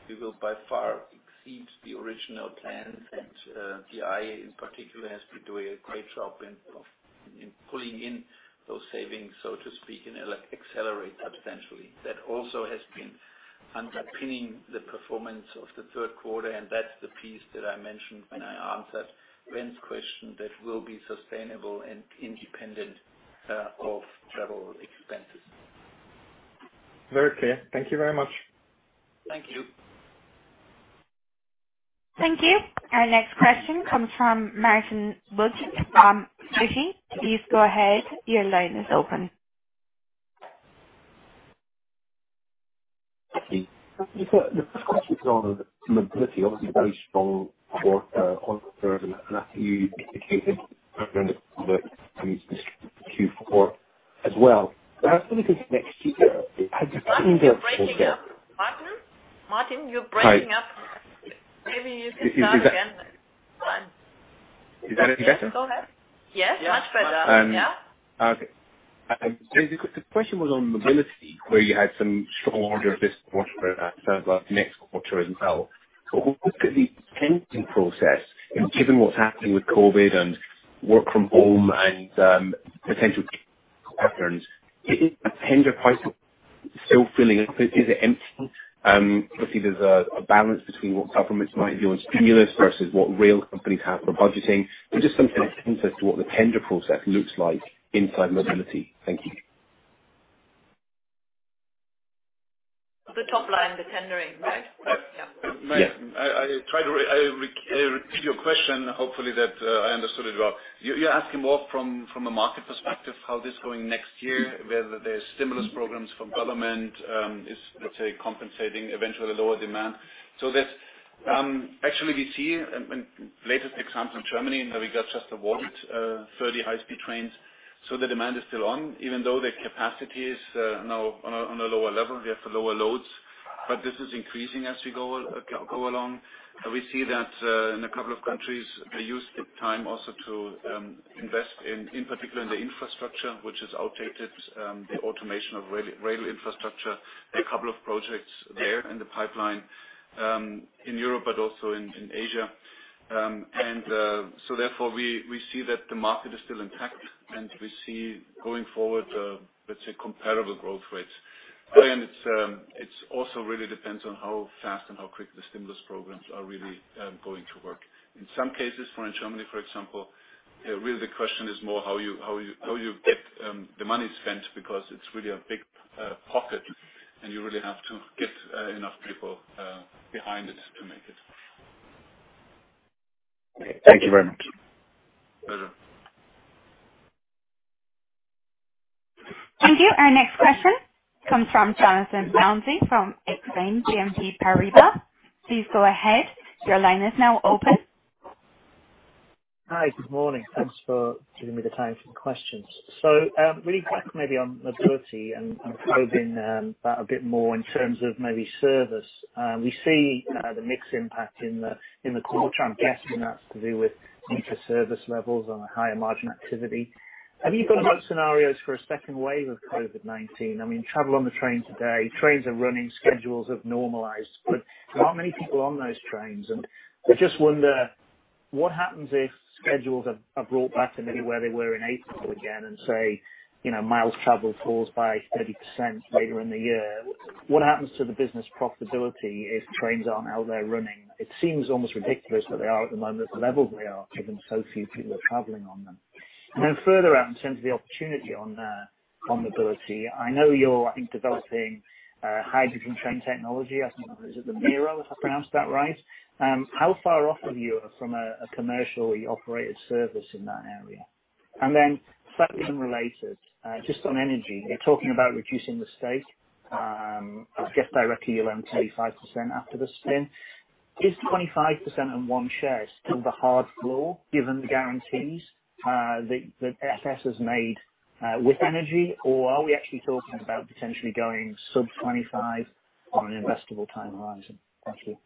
We will by far exceed the original plans, and DI in particular has been doing a great job in pulling in those savings, so to speak, and accelerate substantially. That also has been underpinning the performance of the third quarter, and that's the piece that I mentioned when I answered Ben's question that will be sustainable and independent of travel expenses. Very clear. Thank you very much. Thank you. Thank you. Our next question comes from Martin Wilkie from Citi. Please go ahead. Your line is open. Thank you. The first question is on Mobility, obviously very strong quarter-on-quarter, and I think you indicated Q4 as well. I was wondering because next year, have you seen. Martin, you're breaking up. Martin? Martin, you're breaking up. Hi. Maybe you can start again. Is that any better? Yes, much better. Okay. The question was on Mobility, where you had some strong orders this quarter and it sounds like next quarter as well. Looking at the tendering process, given what's happening with COVID and work from home and potential patterns, is the tender pipe still filling or is it emptying? Obviously, there's a balance between what governments might do on stimulus versus what rail companies have for budgeting. Just some sense as to what the tender process looks like inside Mobility. Thank you. The top line, the tendering, right? Yeah. Martin, I repeat your question, hopefully that I understood it well. You're asking more from a market perspective, how it is going next year, whether there's stimulus programs from government, let's say compensating eventually the lower demand. Actually, we see in latest example in Germany, we got just awarded 30 high-speed trains. The demand is still on, even though the capacity is now on a lower level, we have the lower loads. This is increasing as we go along. We see that in a couple of countries, they use the time also to invest, in particular in the infrastructure, which is outdated, the automation of rail infrastructure, a couple of projects there in the pipeline, in Europe but also in Asia. Therefore, we see that the market is still intact, and we see going forward let's say comparable growth rates. It also really depends on how fast and how quickly the stimulus programs are really going to work. In some cases, for in Germany, for example, really the question is more how you get the money spent, because it's really a big pocket, and you really have to get enough people behind it to make it. Okay. Thank you very much. Pleasure. Thank you. Our next question comes from Jonathan Mounsey from Exane BNP Paribas. Please go ahead, your line is now open. Hi. Good morning. Thanks for giving me the time for questions. Really back maybe on Mobility and probing that a bit more in terms of maybe service. We see the mix impact in the quarter. I'm guessing that's to do with increased service levels and the higher margin activity. Have you got a lot of scenarios for a second wave of COVID-19? I mean, travel on the train today, trains are running, schedules have normalized, but there aren't many people on those trains. I just wonder what happens if schedules are brought back to maybe where they were in April again and say, miles traveled falls by 30% later in the year. What happens to the business profitability if trains aren't out there running? It seems almost ridiculous that they are at the moment, the level they are, given so few people are traveling on them. Further out in terms of the opportunity on Mobility, I know you're, I think, developing a hydrogen train technology. I think, is it the Mireo, if I pronounced that right. How far off are you from a commercially operated service in that area? Slightly unrelated, just on Energy. You're talking about reducing the stake, I guess directly around 25% after the spin. Is 25% and one share still the hard floor given the guarantees that SFS has made with Energy, or are we actually talking about potentially going sub 25% on an investable time horizon? Thank you.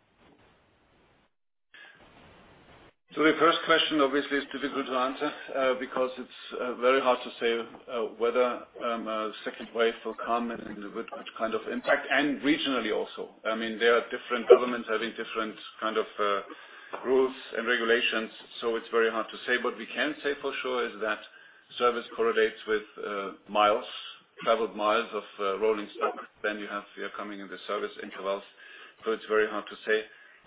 The first question obviously is difficult to answer, because it's very hard to say whether a second wave will come and with what kind of impact, and regionally also. There are different governments having different kind of rules and regulations, so it's very hard to say. What we can say for sure is that service correlates with miles, traveled miles of rolling stock. You have coming in the service intervals. It's very hard to say.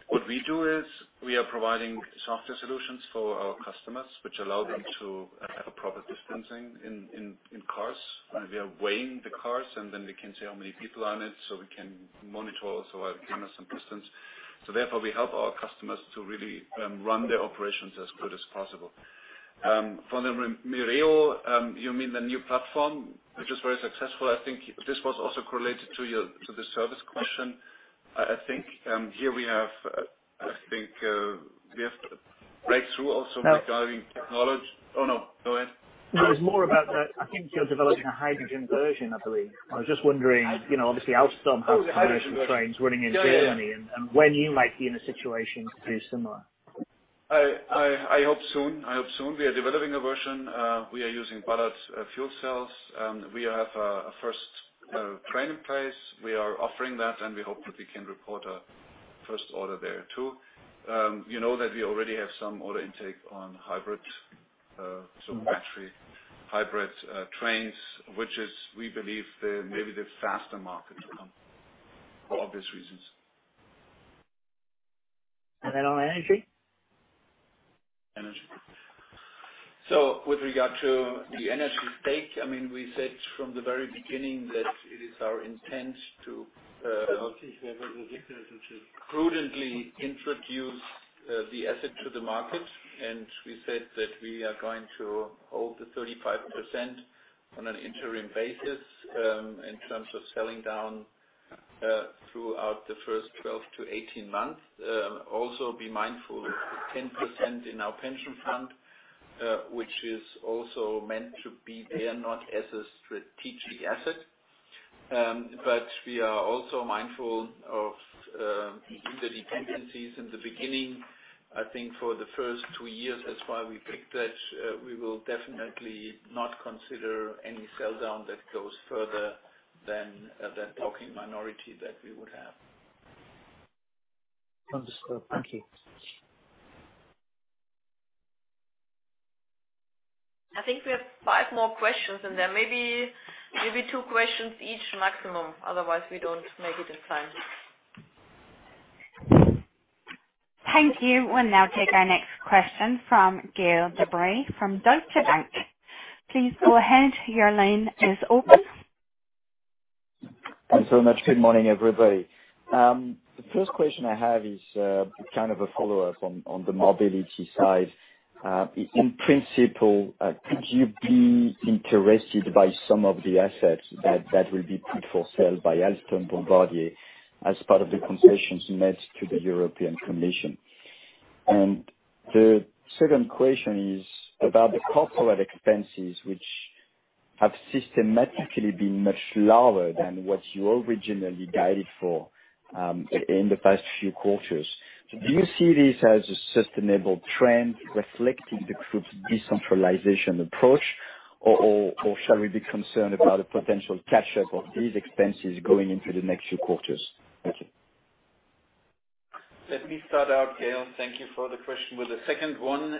What we do is we are providing software solutions for our customers, which allow them to have a proper distancing in cars. We are weighing the cars, and then we can say how many people are in it, so we can monitor also our customers and distance. Therefore, we help our customers to really run their operations as good as possible. For the Mireo, you mean the new platform, which is very successful. I think this was also correlated to the service question. I think here we have a breakthrough also regarding technology. Oh, no. Go ahead. No, it was more about the I think you're developing a hydrogen version, I believe. I was just wondering, obviously Alstom have hydrogen trains running in Germany. Yeah When you might be in a situation to do similar. I hope soon. We are developing a version. We are using Ballard fuel cells. We have our first train in place. We are offering that, and we hope that we can report a first order there, too. You know that we already have some order intake on hybrid-.some battery hybrid trains, which is, we believe, maybe the faster market to come, for obvious reasons. Then on Energy? Energy. With regard to the Energy stake, we said from the very beginning that it is our intent to prudently introduce the asset to the market, and we said that we are going to hold the 35% on an interim basis in terms of selling down throughout the first 12-18 months. Also be mindful, 10% in our pension fund, which is also meant to be there not as a strategic asset. We are also mindful of the dependencies in the beginning. I think for the first two years, that's why we picked that, we will definitely not consider any sell-down that goes further than that blocking minority that we would have. Understood. Thank you. I think we have five more questions in there. Maybe two questions each maximum. Otherwise, we don't make it in time. Thank you. We'll now take our next question from Gael De Bray from Deutsche Bank. Please go ahead. Your line is open. Thanks so much. Good morning, everybody. The first question I have is kind of a follow-up on the Mobility side. In principle, could you be interested by some of the assets that will be put for sale by Alstom Bombardier as part of the concessions made to the European Commission? The second question is about the corporate expenses, which have systematically been much lower than what you originally guided for in the past few quarters. Do you see this as a sustainable trend reflecting the group's decentralization approach, or shall we be concerned about a potential catch-up of these expenses going into the next few quarters? Thank you. Let me start out, Gael. Thank you for the question. With the second one,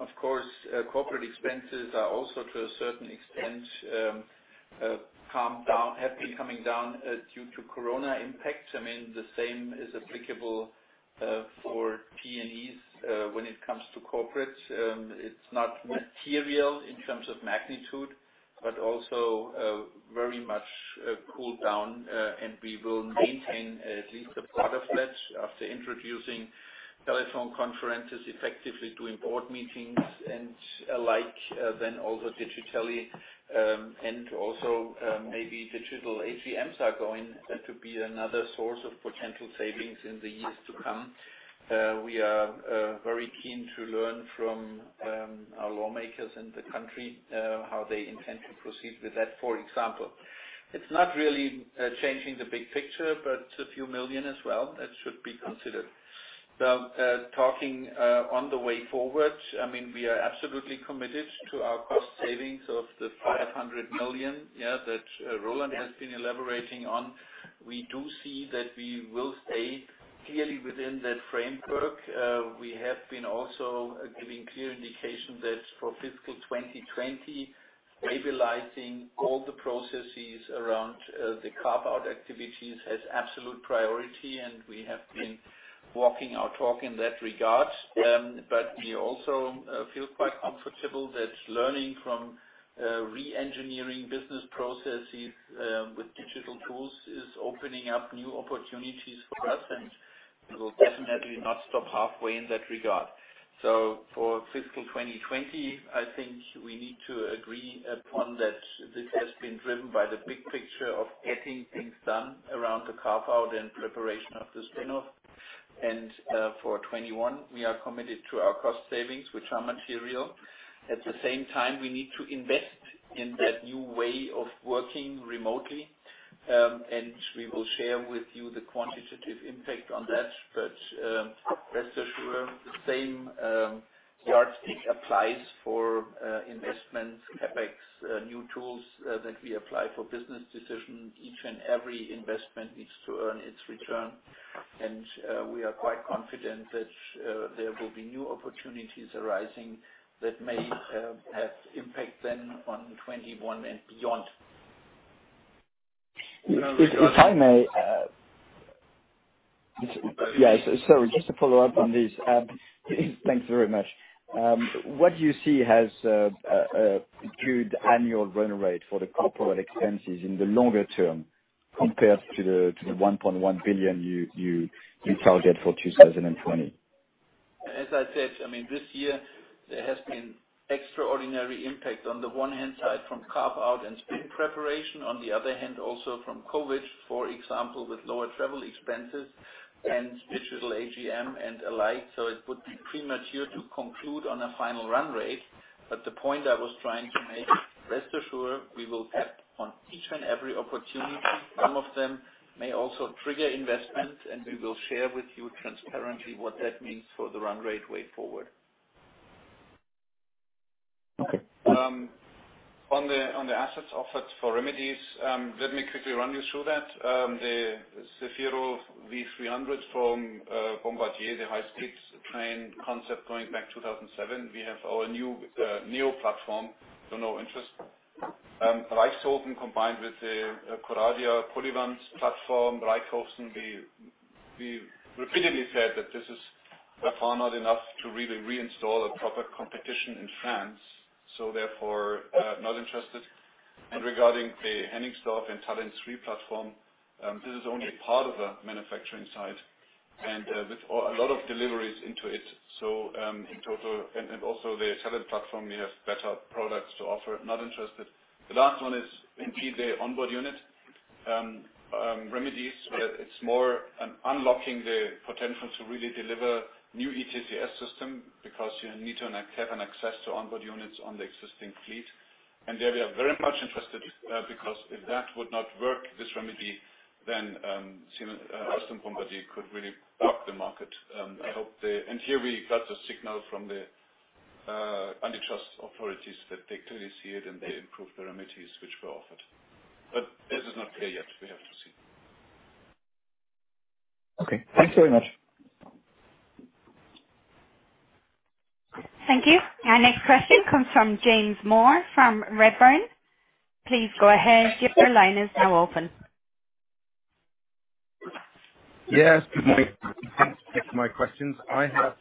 of course, corporate expenses are also, to a certain extent have been coming down due to corona impact. The same is applicable for T&E's when it comes to corporate. It's not material in terms of magnitude, also very much cooled down and we will maintain at least a part of that after introducing telephone conferences effectively to in-person meetings and like then also digitally, and also maybe digital AGMs are going to be another source of potential savings in the years to come. We are very keen to learn from our lawmakers in the country, how they intend to proceed with that, for example. It's not really changing the big picture, but a few million as well that should be considered. Talking on the way forward, we are absolutely committed to our cost savings of the 500 million that Roland has been elaborating on. We do see that we will stay clearly within that framework. We have been also giving clear indication that for fiscal 2020, stabilizing all the processes around the carve-out activities has absolute priority, and we have been walking our talk in that regard. We also feel quite comfortable that learning from re-engineering business processes with digital tools is opening up new opportunities for us, and we will definitely not stop halfway in that regard. For fiscal 2020, I think we need to agree upon that this has been driven by the big picture of getting things done around the carve-out and preparation of the spin-off. For 2021, we are committed to our cost savings, which are material. At the same time, we need to invest in that new way of working remotely. We will share with you the quantitative impact on that. Rest assured, the same yardstick applies for investments, CapEx, new tools that we apply for business decisions. Each and every investment needs to earn its return. We are quite confident that there will be new opportunities arising that may have impact then on 2021 and beyond. If I may. Yes. Sorry, just to follow up on this. Thanks very much. What do you see as a good annual run rate for the corporate expenses in the longer term compared to the 1.1 billion you target for 2020? As I said, this year there has been extraordinary impact on the one hand side from carve-out and spin preparation, on the other hand also from COVID, for example, with lower travel expenses and digital AGM and alike. It would be premature to conclude on a final run rate. The point I was trying to make, rest assured, we will tap on each and every opportunity. Some of them may also trigger investment, and we will share with you transparently what that means for the run rate way forward. On the assets offered for remedies, let me quickly run you through that. The Zefiro V300 from Bombardier, the high-speed train concept going back 2007, we have our new neo platform, no interest. Reichshoffen combined with the Coradia Polyvalent platform, Reichshoffen, we repeatedly said that this is far not enough to really reinstall a proper competition in France, therefore, not interested. Regarding the Hennigsdorf and TALENT 3 platform, this is only part of a manufacturing site and with a lot of deliveries into it. In total, also the TALENT platform, we have better products to offer. Not interested. The last one is indeed the onboard unit remedies, where it's more unlocking the potential to really deliver new ETCS system because you need to have an access to onboard units on the existing fleet. There, we are very much interested because if that would not work, this remedy, then Alstom, Bombardier could really block the market. Here, we got a signal from the antitrust authorities that they clearly see it, and they improved the remedies which were offered. This is not clear yet. We have to see. Okay. Thank you very much. Thank you. Our next question comes from James Moore from Redburn. Please go ahead, your line is now open. Yes. Good morning. Thanks for taking my questions. I have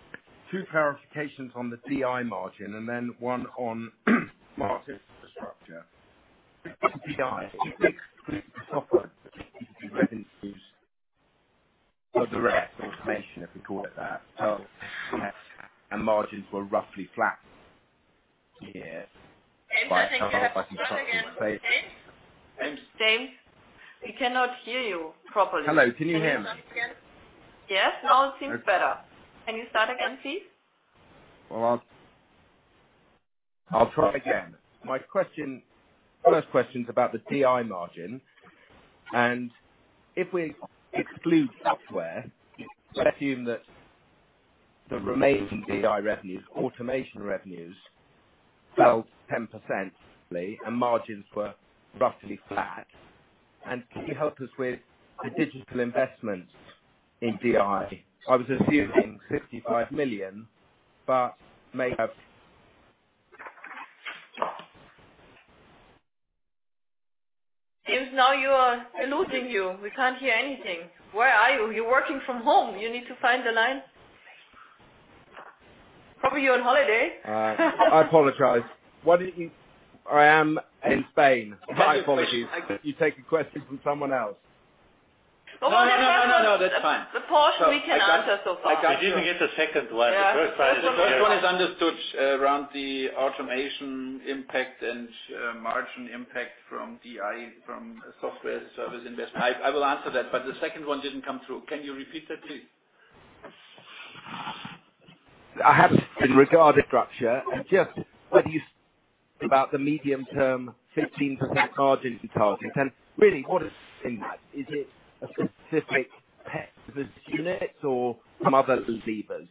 two clarifications on the DI margin, then one on Smart Infrastructure. DI, do you think software revenues of direct automation, if we call it that, fell, and margins were roughly flat here? James, I think you have to start again. James? James? We cannot hear you properly. Hello, can you hear me? Can you start again? Yes. Now it seems better. Can you start again, please? Well, I'll try again. My first question's about the DI margin. If we exclude software, I assume that the remaining DI revenues, automation revenues, fell 10% and margins were roughly flat. Can you help us with the digital investments in DI? I was assuming 55 million. James, now we are losing you. We can't hear anything. Where are you? You're working from home. You need to find the line. Probably you're on holiday. I apologize. I am in Spain. My apologies. You take a question from someone else. Well. No, that's fine. The portion we can answer so far. We didn't get the second one. The first one is- The first one is understood, around the automation impact and margin impact from DI, from software as a service investment. I will answer that, but the second one didn't come through. Can you repeat that, please? I have in regard to structure, and just whether you spoke about the medium-term 15% margin targets, and really, what is in that? Is it a specific unit or some other levers?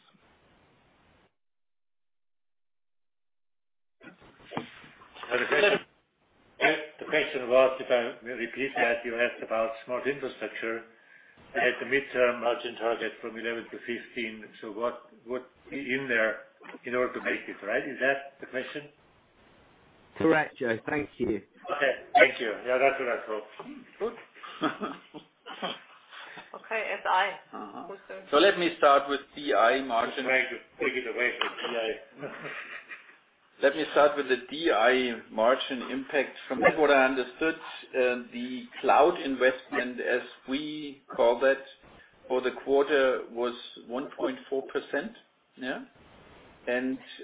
The question was, if I may repeat that, you asked about Smart Infrastructure and the mid-term margin target from 11%-15%. What in there in order to make it, right? Is that the question? Correct, Joe. Thank you. Okay. Thank you. Yeah, that's what I thought. Okay, SI. Who's doing SI? Let me start with DI margin. Trying to take it away from DI. Let me start with the DI margin impact. From what I understood, the cloud investment, as we call that, for the quarter was 1.4%. Yeah.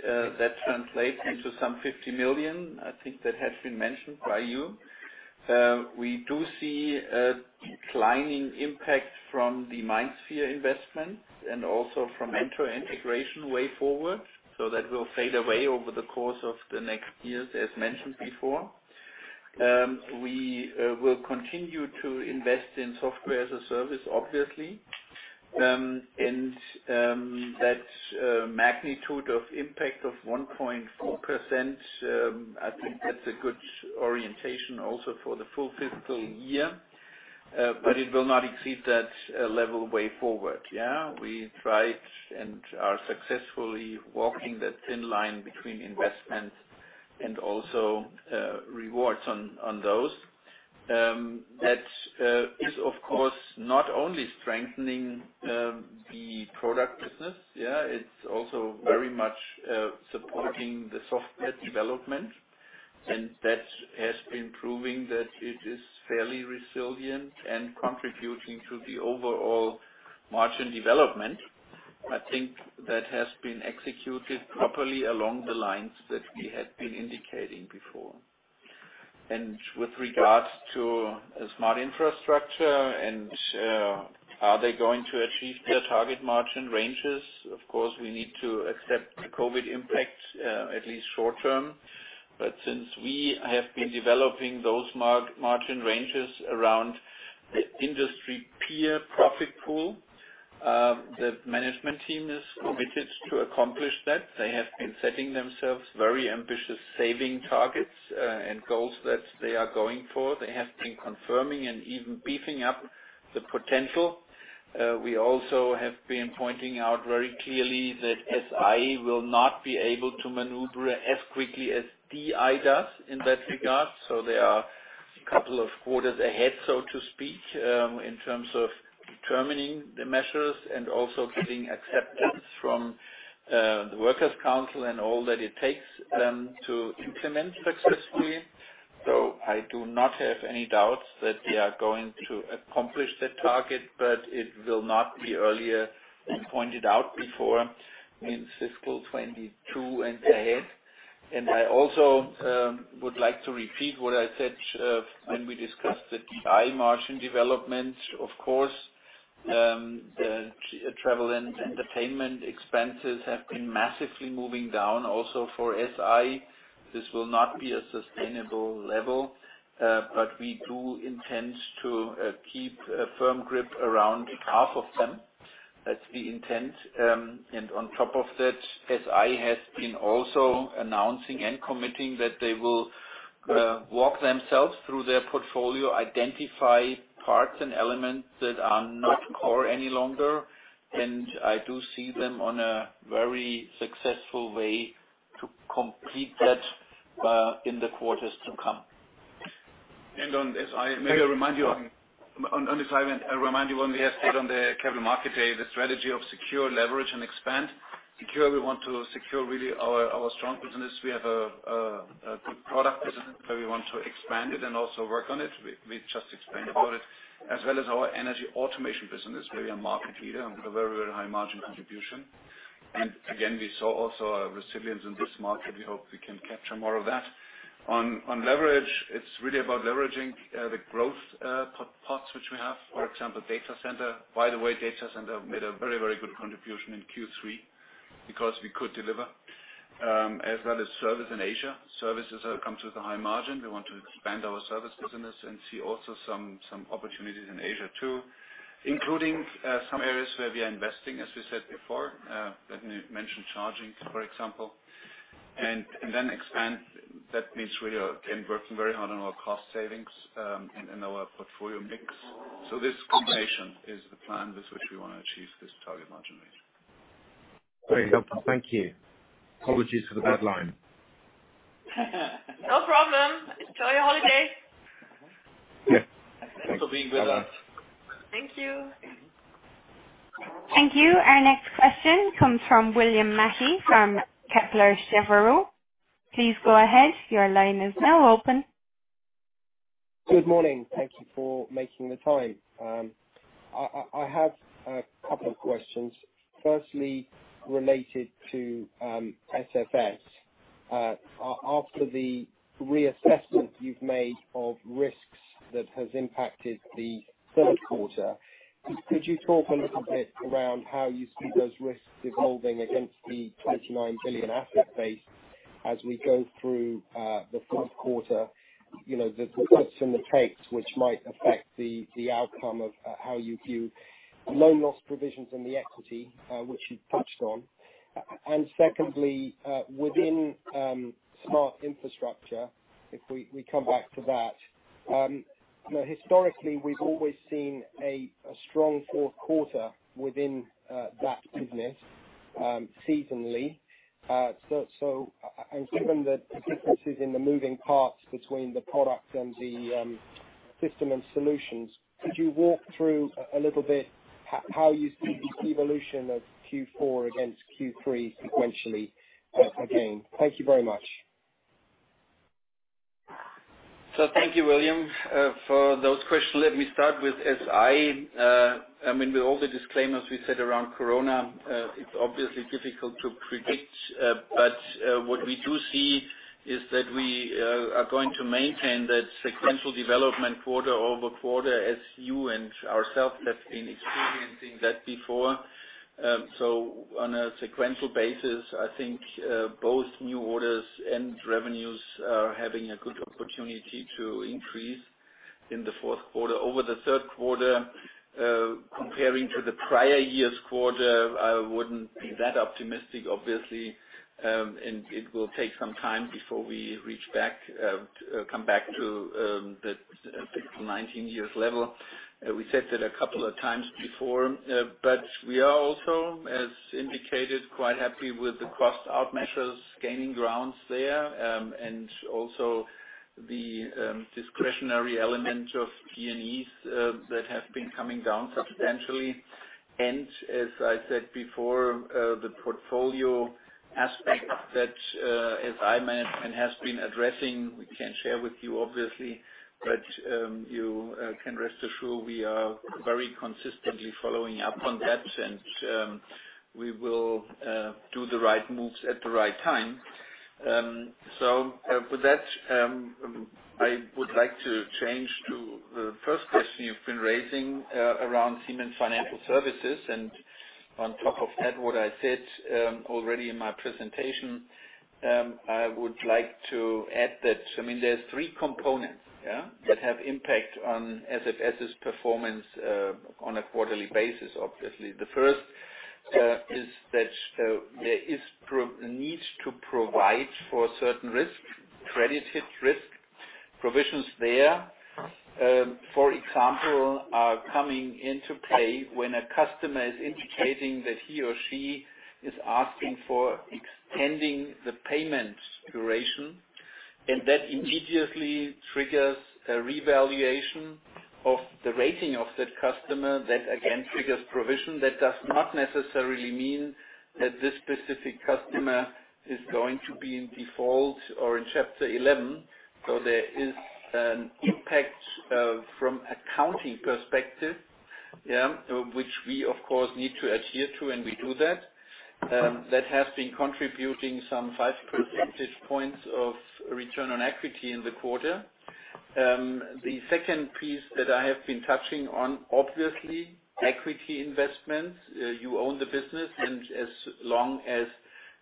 That translates into some 50 million, I think that has been mentioned by you. We do see a declining impact from the MindSphere investments and also from Mentor integration way forward. That will fade away over the course of the next years, as mentioned before. We will continue to invest in software as a service, obviously. That magnitude of impact of 1.4%, I think that's a good orientation also for the full fiscal year, but it will not exceed that level way forward. Yeah. We tried and are successfully walking that thin line between investment and also rewards on those. That is, of course, not only strengthening the product business, yeah. It's also very much supporting the software development, and that has been proving that it is fairly resilient and contributing to the overall margin development. I think that has been executed properly along the lines that we had been indicating before. With regards to Smart Infrastructure and are they going to achieve their target margin ranges, of course, we need to accept the COVID impact, at least short term. Since we have been developing those margin ranges around the industry peer profit pool The management team is committed to accomplish that. They have been setting themselves very ambitious saving targets and goals that they are going for. They have been confirming and even beefing up the potential. We also have been pointing out very clearly that SI will not be able to maneuver as quickly as DI does in that regard. They are a couple of quarters ahead, so to speak, in terms of determining the measures and also getting acceptance from the workers council and all that it takes them to implement successfully. I do not have any doubts that they are going to accomplish that target, but it will not be earlier than pointed out before, in fiscal 2022 and ahead. I also would like to repeat what I said when we discussed the DI margin development. Of course, the travel and entertainment expenses have been massively moving down also for SI. This will not be a sustainable level, but we do intend to keep a firm grip around half of them. That's the intent. On top of that, SI has been also announcing and committing that they will walk themselves through their portfolio, identify parts and elements that are not core any longer. I do see them on a very successful way to complete that in the quarters to come. On SI, may I remind you on the asset, on the Capital Markets Day, the strategy of secure, leverage, and expand. Secure, we want to secure really our strong business. We have a good product business where we want to expand it and also work on it. We just explained about it, as well as our Energy automation business, where we are market leader and with a very high margin contribution. Again, we saw also a resilience in this market. We hope we can capture more of that. On leverage, it's really about leveraging the growth parts which we have, for example, data center. By the way, data center made a very good contribution in Q3 because we could deliver, as well as service in Asia. Services comes with a high margin. We want to expand our service business and see also some opportunities in Asia too, including some areas where we are investing, as we said before. Ben mentioned charging, for example. Expand. That means we are again working very hard on our cost savings and in our portfolio mix. This combination is the plan with which we want to achieve this target margin ratio. Very helpful. Thank you. Apologies for the bad line. No problem. Enjoy your holiday. Yes. Thanks. Thanks for being with us. Thank you. Thank you. Our next question comes from William Mackie from Kepler Cheuvreux. Please go ahead, your line is now open. Good morning. Thank you for making the time. I have a couple of questions. Firstly, related to SFS. After the reassessment you've made of risks that has impacted the third quarter, could you talk a little bit around how you see those risks evolving against the 29 billion asset base as we go through the fourth quarter? The puts and the takes which might affect the outcome of how you view loan loss provisions and the equity, which you touched on. Secondly, within Smart Infrastructure, if we come back to that. Historically, we've always seen a strong fourth quarter within that business, seasonally. Given the differences in the moving parts between the product and the system and solutions, could you walk through a little bit how you see the evolution of Q4 against Q3 sequentially again? Thank you very much. Thank you, William, for those questions. Let me start with SI. With all the disclaimers we said around corona, it's obviously difficult to predict. What we do see is that we are going to maintain that sequential development quarter-over-quarter, as you and ourselves have been experiencing that before. On a sequential basis, I think both new orders and revenues are having a good opportunity to increase in the fourth quarter. Over the third quarter, comparing to the prior year's quarter, I wouldn't be that optimistic, obviously. It will take some time before we come back to the fiscal 2019 year's level. We said that a couple of times before. We are also, as indicated, quite happy with the cost-out measures, gaining grounds there, and also the discretionary element of T&E that have been coming down substantially. As I said before, the portfolio aspect that SI management has been addressing, we can't share with you, obviously. You can rest assured we are very consistently following up on that and we will do the right moves at the right time. With that, I would like to change to the first question you've been raising around Siemens Financial Services. On top of that, what I said already in my presentation, I would like to add that there's three components that have impact on SFS's performance on a quarterly basis, obviously. The first is that there is need to provide for certain risk, credit risk, provisions there. For example, are coming into play when a customer is indicating that he or she is asking for extending the payment duration, and that immediately triggers a revaluation of the rating of that customer. That again, triggers provision. That does not necessarily mean that this specific customer is going to be in default or in Chapter 11. There is an impact from accounting perspective, which we of course need to adhere to, and we do that. That has been contributing some 5 percentage points of return on equity in the quarter. The second piece that I have been touching on, obviously, equity investments. You own the business, as long as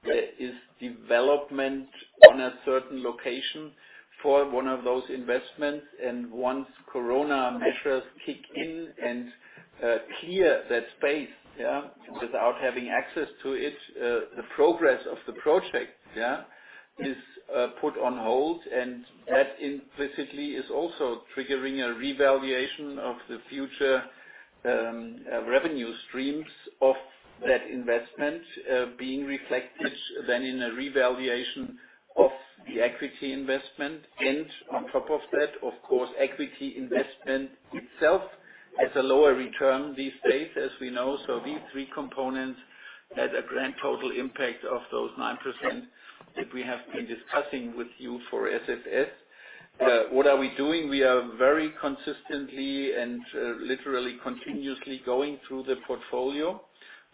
there is development on a certain location for one of those investments, once corona measures kick in and clear that space without having access to it, the progress of the project is put on hold. That implicitly is also triggering a revaluation of the future revenue streams of that investment being reflected then in a revaluation of the equity investment. On top of that, of course, equity investment itself has a lower return these days, as we know. These three components had a grand total impact of those 9% that we have been discussing with you for SFS. What are we doing? We are very consistently and literally continuously going through the portfolio.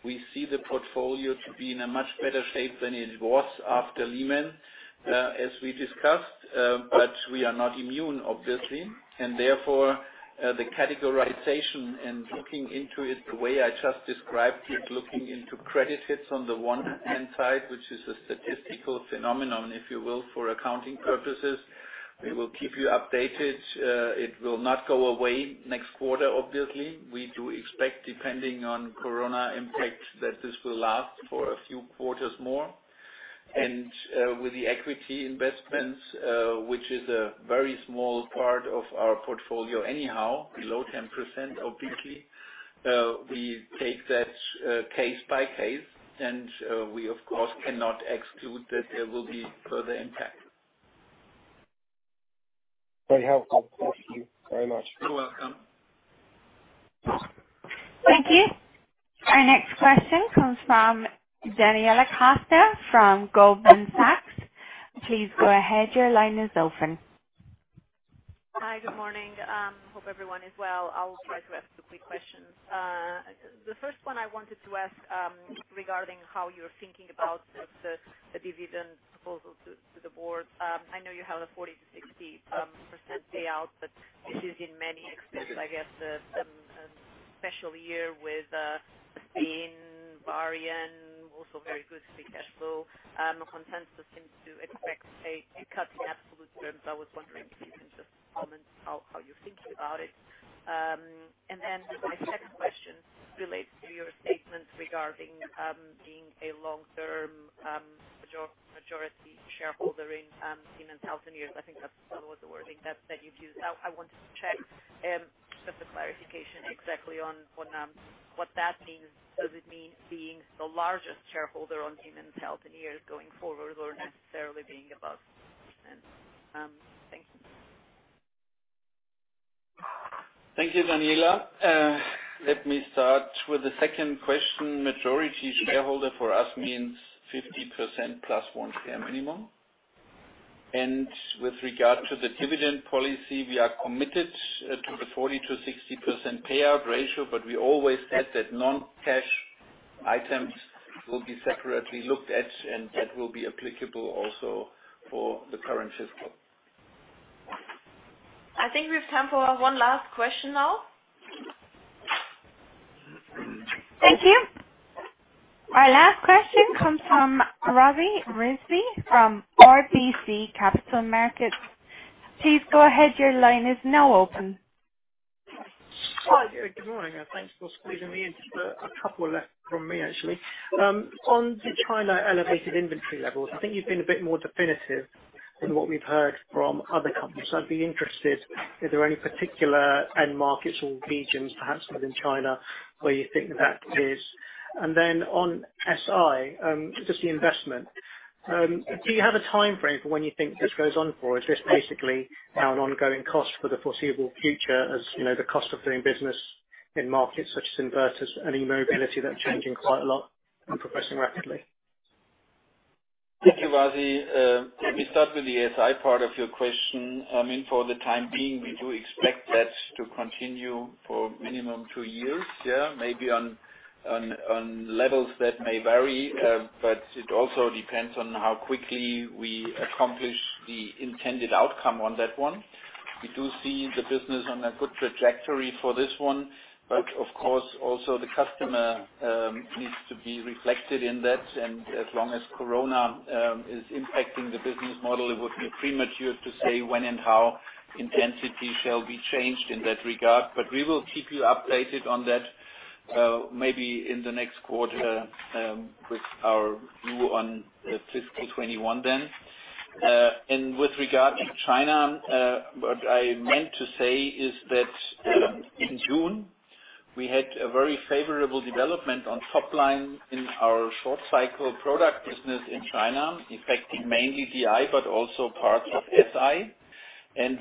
We see the portfolio to be in a much better shape than it was after Lehman, as we discussed. We are not immune, obviously. Therefore, the categorization and looking into it the way I just described it, looking into credit hits on the one hand side, which is a statistical phenomenon, if you will, for accounting purposes. We will keep you updated. It will not go away next quarter, obviously. We do expect, depending on corona impact, that this will last for a few quarters more. With the equity investments, which is a very small part of our portfolio anyhow, below 10%, obviously, we take that case by case, and we, of course, cannot exclude that there will be further impact. Very helpful. Thank you very much. You're welcome. Thank you. Our next question comes from Daniela Costa from Goldman Sachs. Please go ahead. Your line is open. Hi. Good morning. Hope everyone is well. I'll try to ask two quick questions. The first one I wanted to ask regarding how you're thinking about the dividend proposal to the board. I know you have a 40%-60% payout, but this is in many respects, I guess, some special year with Spain, Varian, also very good free cash flow. Consensus seems to expect a cut in absolute terms. I was wondering if you can just comment how you're thinking about it. My second question relates to your statement regarding being a long-term majority shareholder in Siemens Healthineers. I think that about was the wording that you've used. I wanted to check just a clarification exactly on what that means. Does it mean being the largest shareholder on Siemens Healthineers going forward or necessarily being above? Thank you. Thank you, Daniela. Let me start with the second question. Majority shareholder for us means 50% + 1 share minimum. With regard to the dividend policy, we are committed to the 40%-60% payout ratio, but we always said that non-cash items will be separately looked at, and that will be applicable also for the current fiscal. I think we have time for one last question now. Thank you. Our last question comes from Wasi Rizvi from RBC Capital Markets. Please go ahead, your line is now open. Hi. Good morning. Thanks for squeezing me in. Just a couple left from me, actually. On the China elevated inventory levels, I think you've been a bit more definitive than what we've heard from other companies. I'd be interested, is there any particular end markets or regions, perhaps within China, where you think that is? On SI, just the investment. Do you have a timeframe for when you think this goes on for? Is this basically now an ongoing cost for the foreseeable future as the cost of doing business in markets such as in inverters and eMobility that are changing quite a lot and progressing rapidly? Thank you, Wasi. Let me start with the SI part of your question. For the time being, we do expect that to continue for minimum two years. Maybe on levels that may vary, but it also depends on how quickly we accomplish the intended outcome on that one. We do see the business on a good trajectory for this one, but of course, also the customer needs to be reflected in that. As long as corona is impacting the business model, it would be premature to say when and how intensity shall be changed in that regard. We will keep you updated on that, maybe in the next quarter, with our view on the fiscal 2021 then. With regard to China, what I meant to say is that in June, we had a very favorable development on top line in our short cycle product business in China, affecting mainly DI, but also parts of SI.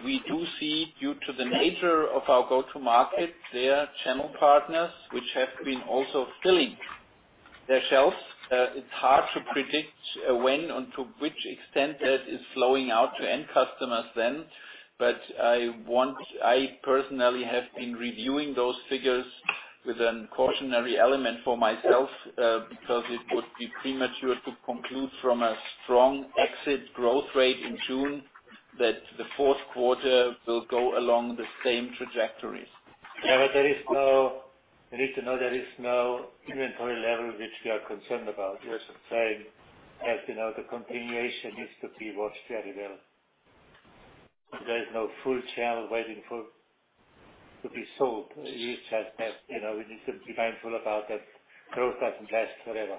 We do see, due to the nature of our go-to-market, their channel partners, which have been also filling their shelves. It's hard to predict when and to which extent that is flowing out to end customers then. I personally have been reviewing those figures with a cautionary element for myself, because it would be premature to conclude from a strong exit growth rate in June that the fourth quarter will go along the same trajectories. Yeah, you need to know there is no inventory level which we are concerned about. Yes. As you know, the continuation needs to be watched very well. There is no full channel waiting to be sold. We need to be mindful about that growth doesn't last forever.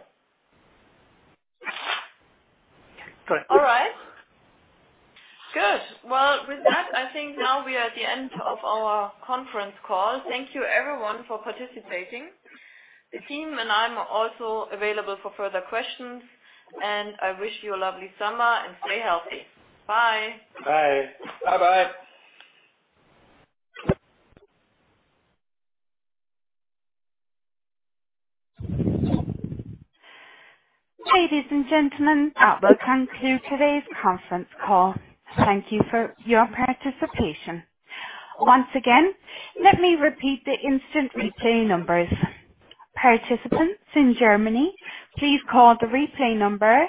Correct. All right. Good. With that, I think now we are at the end of our conference call. Thank you everyone for participating. The team and I are also available for further questions, and I wish you a lovely summer, and stay healthy. Bye. Bye. Bye-bye. Ladies and gentlemen, that will conclude today's conference call. Thank you for your participation. Once again, let me repeat the instant replay numbers. Participants in Germany, please call the replay number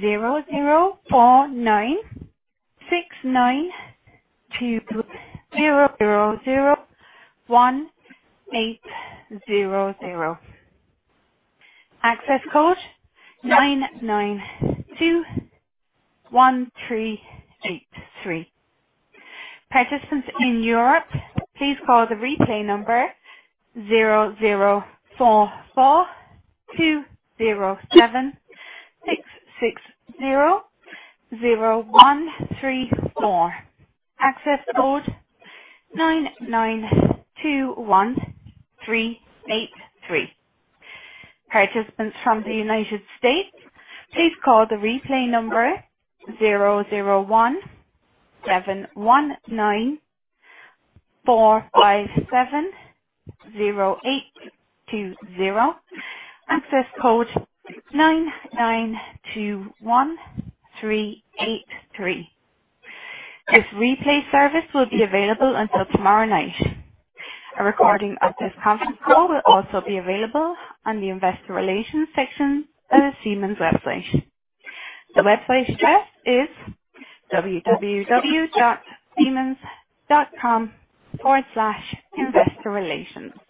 00496920001800. Access code 9921383. Participants in Europe, please call the replay number 00442076600134. Access code 9921383. Participants from the United States, please call the replay number 0017194570820. Access code 9921383. This replay service will be available until tomorrow night. A recording of this conference call will also be available on the investor relations section of the Siemens website. The website address is www.siemens.com/investorrelations.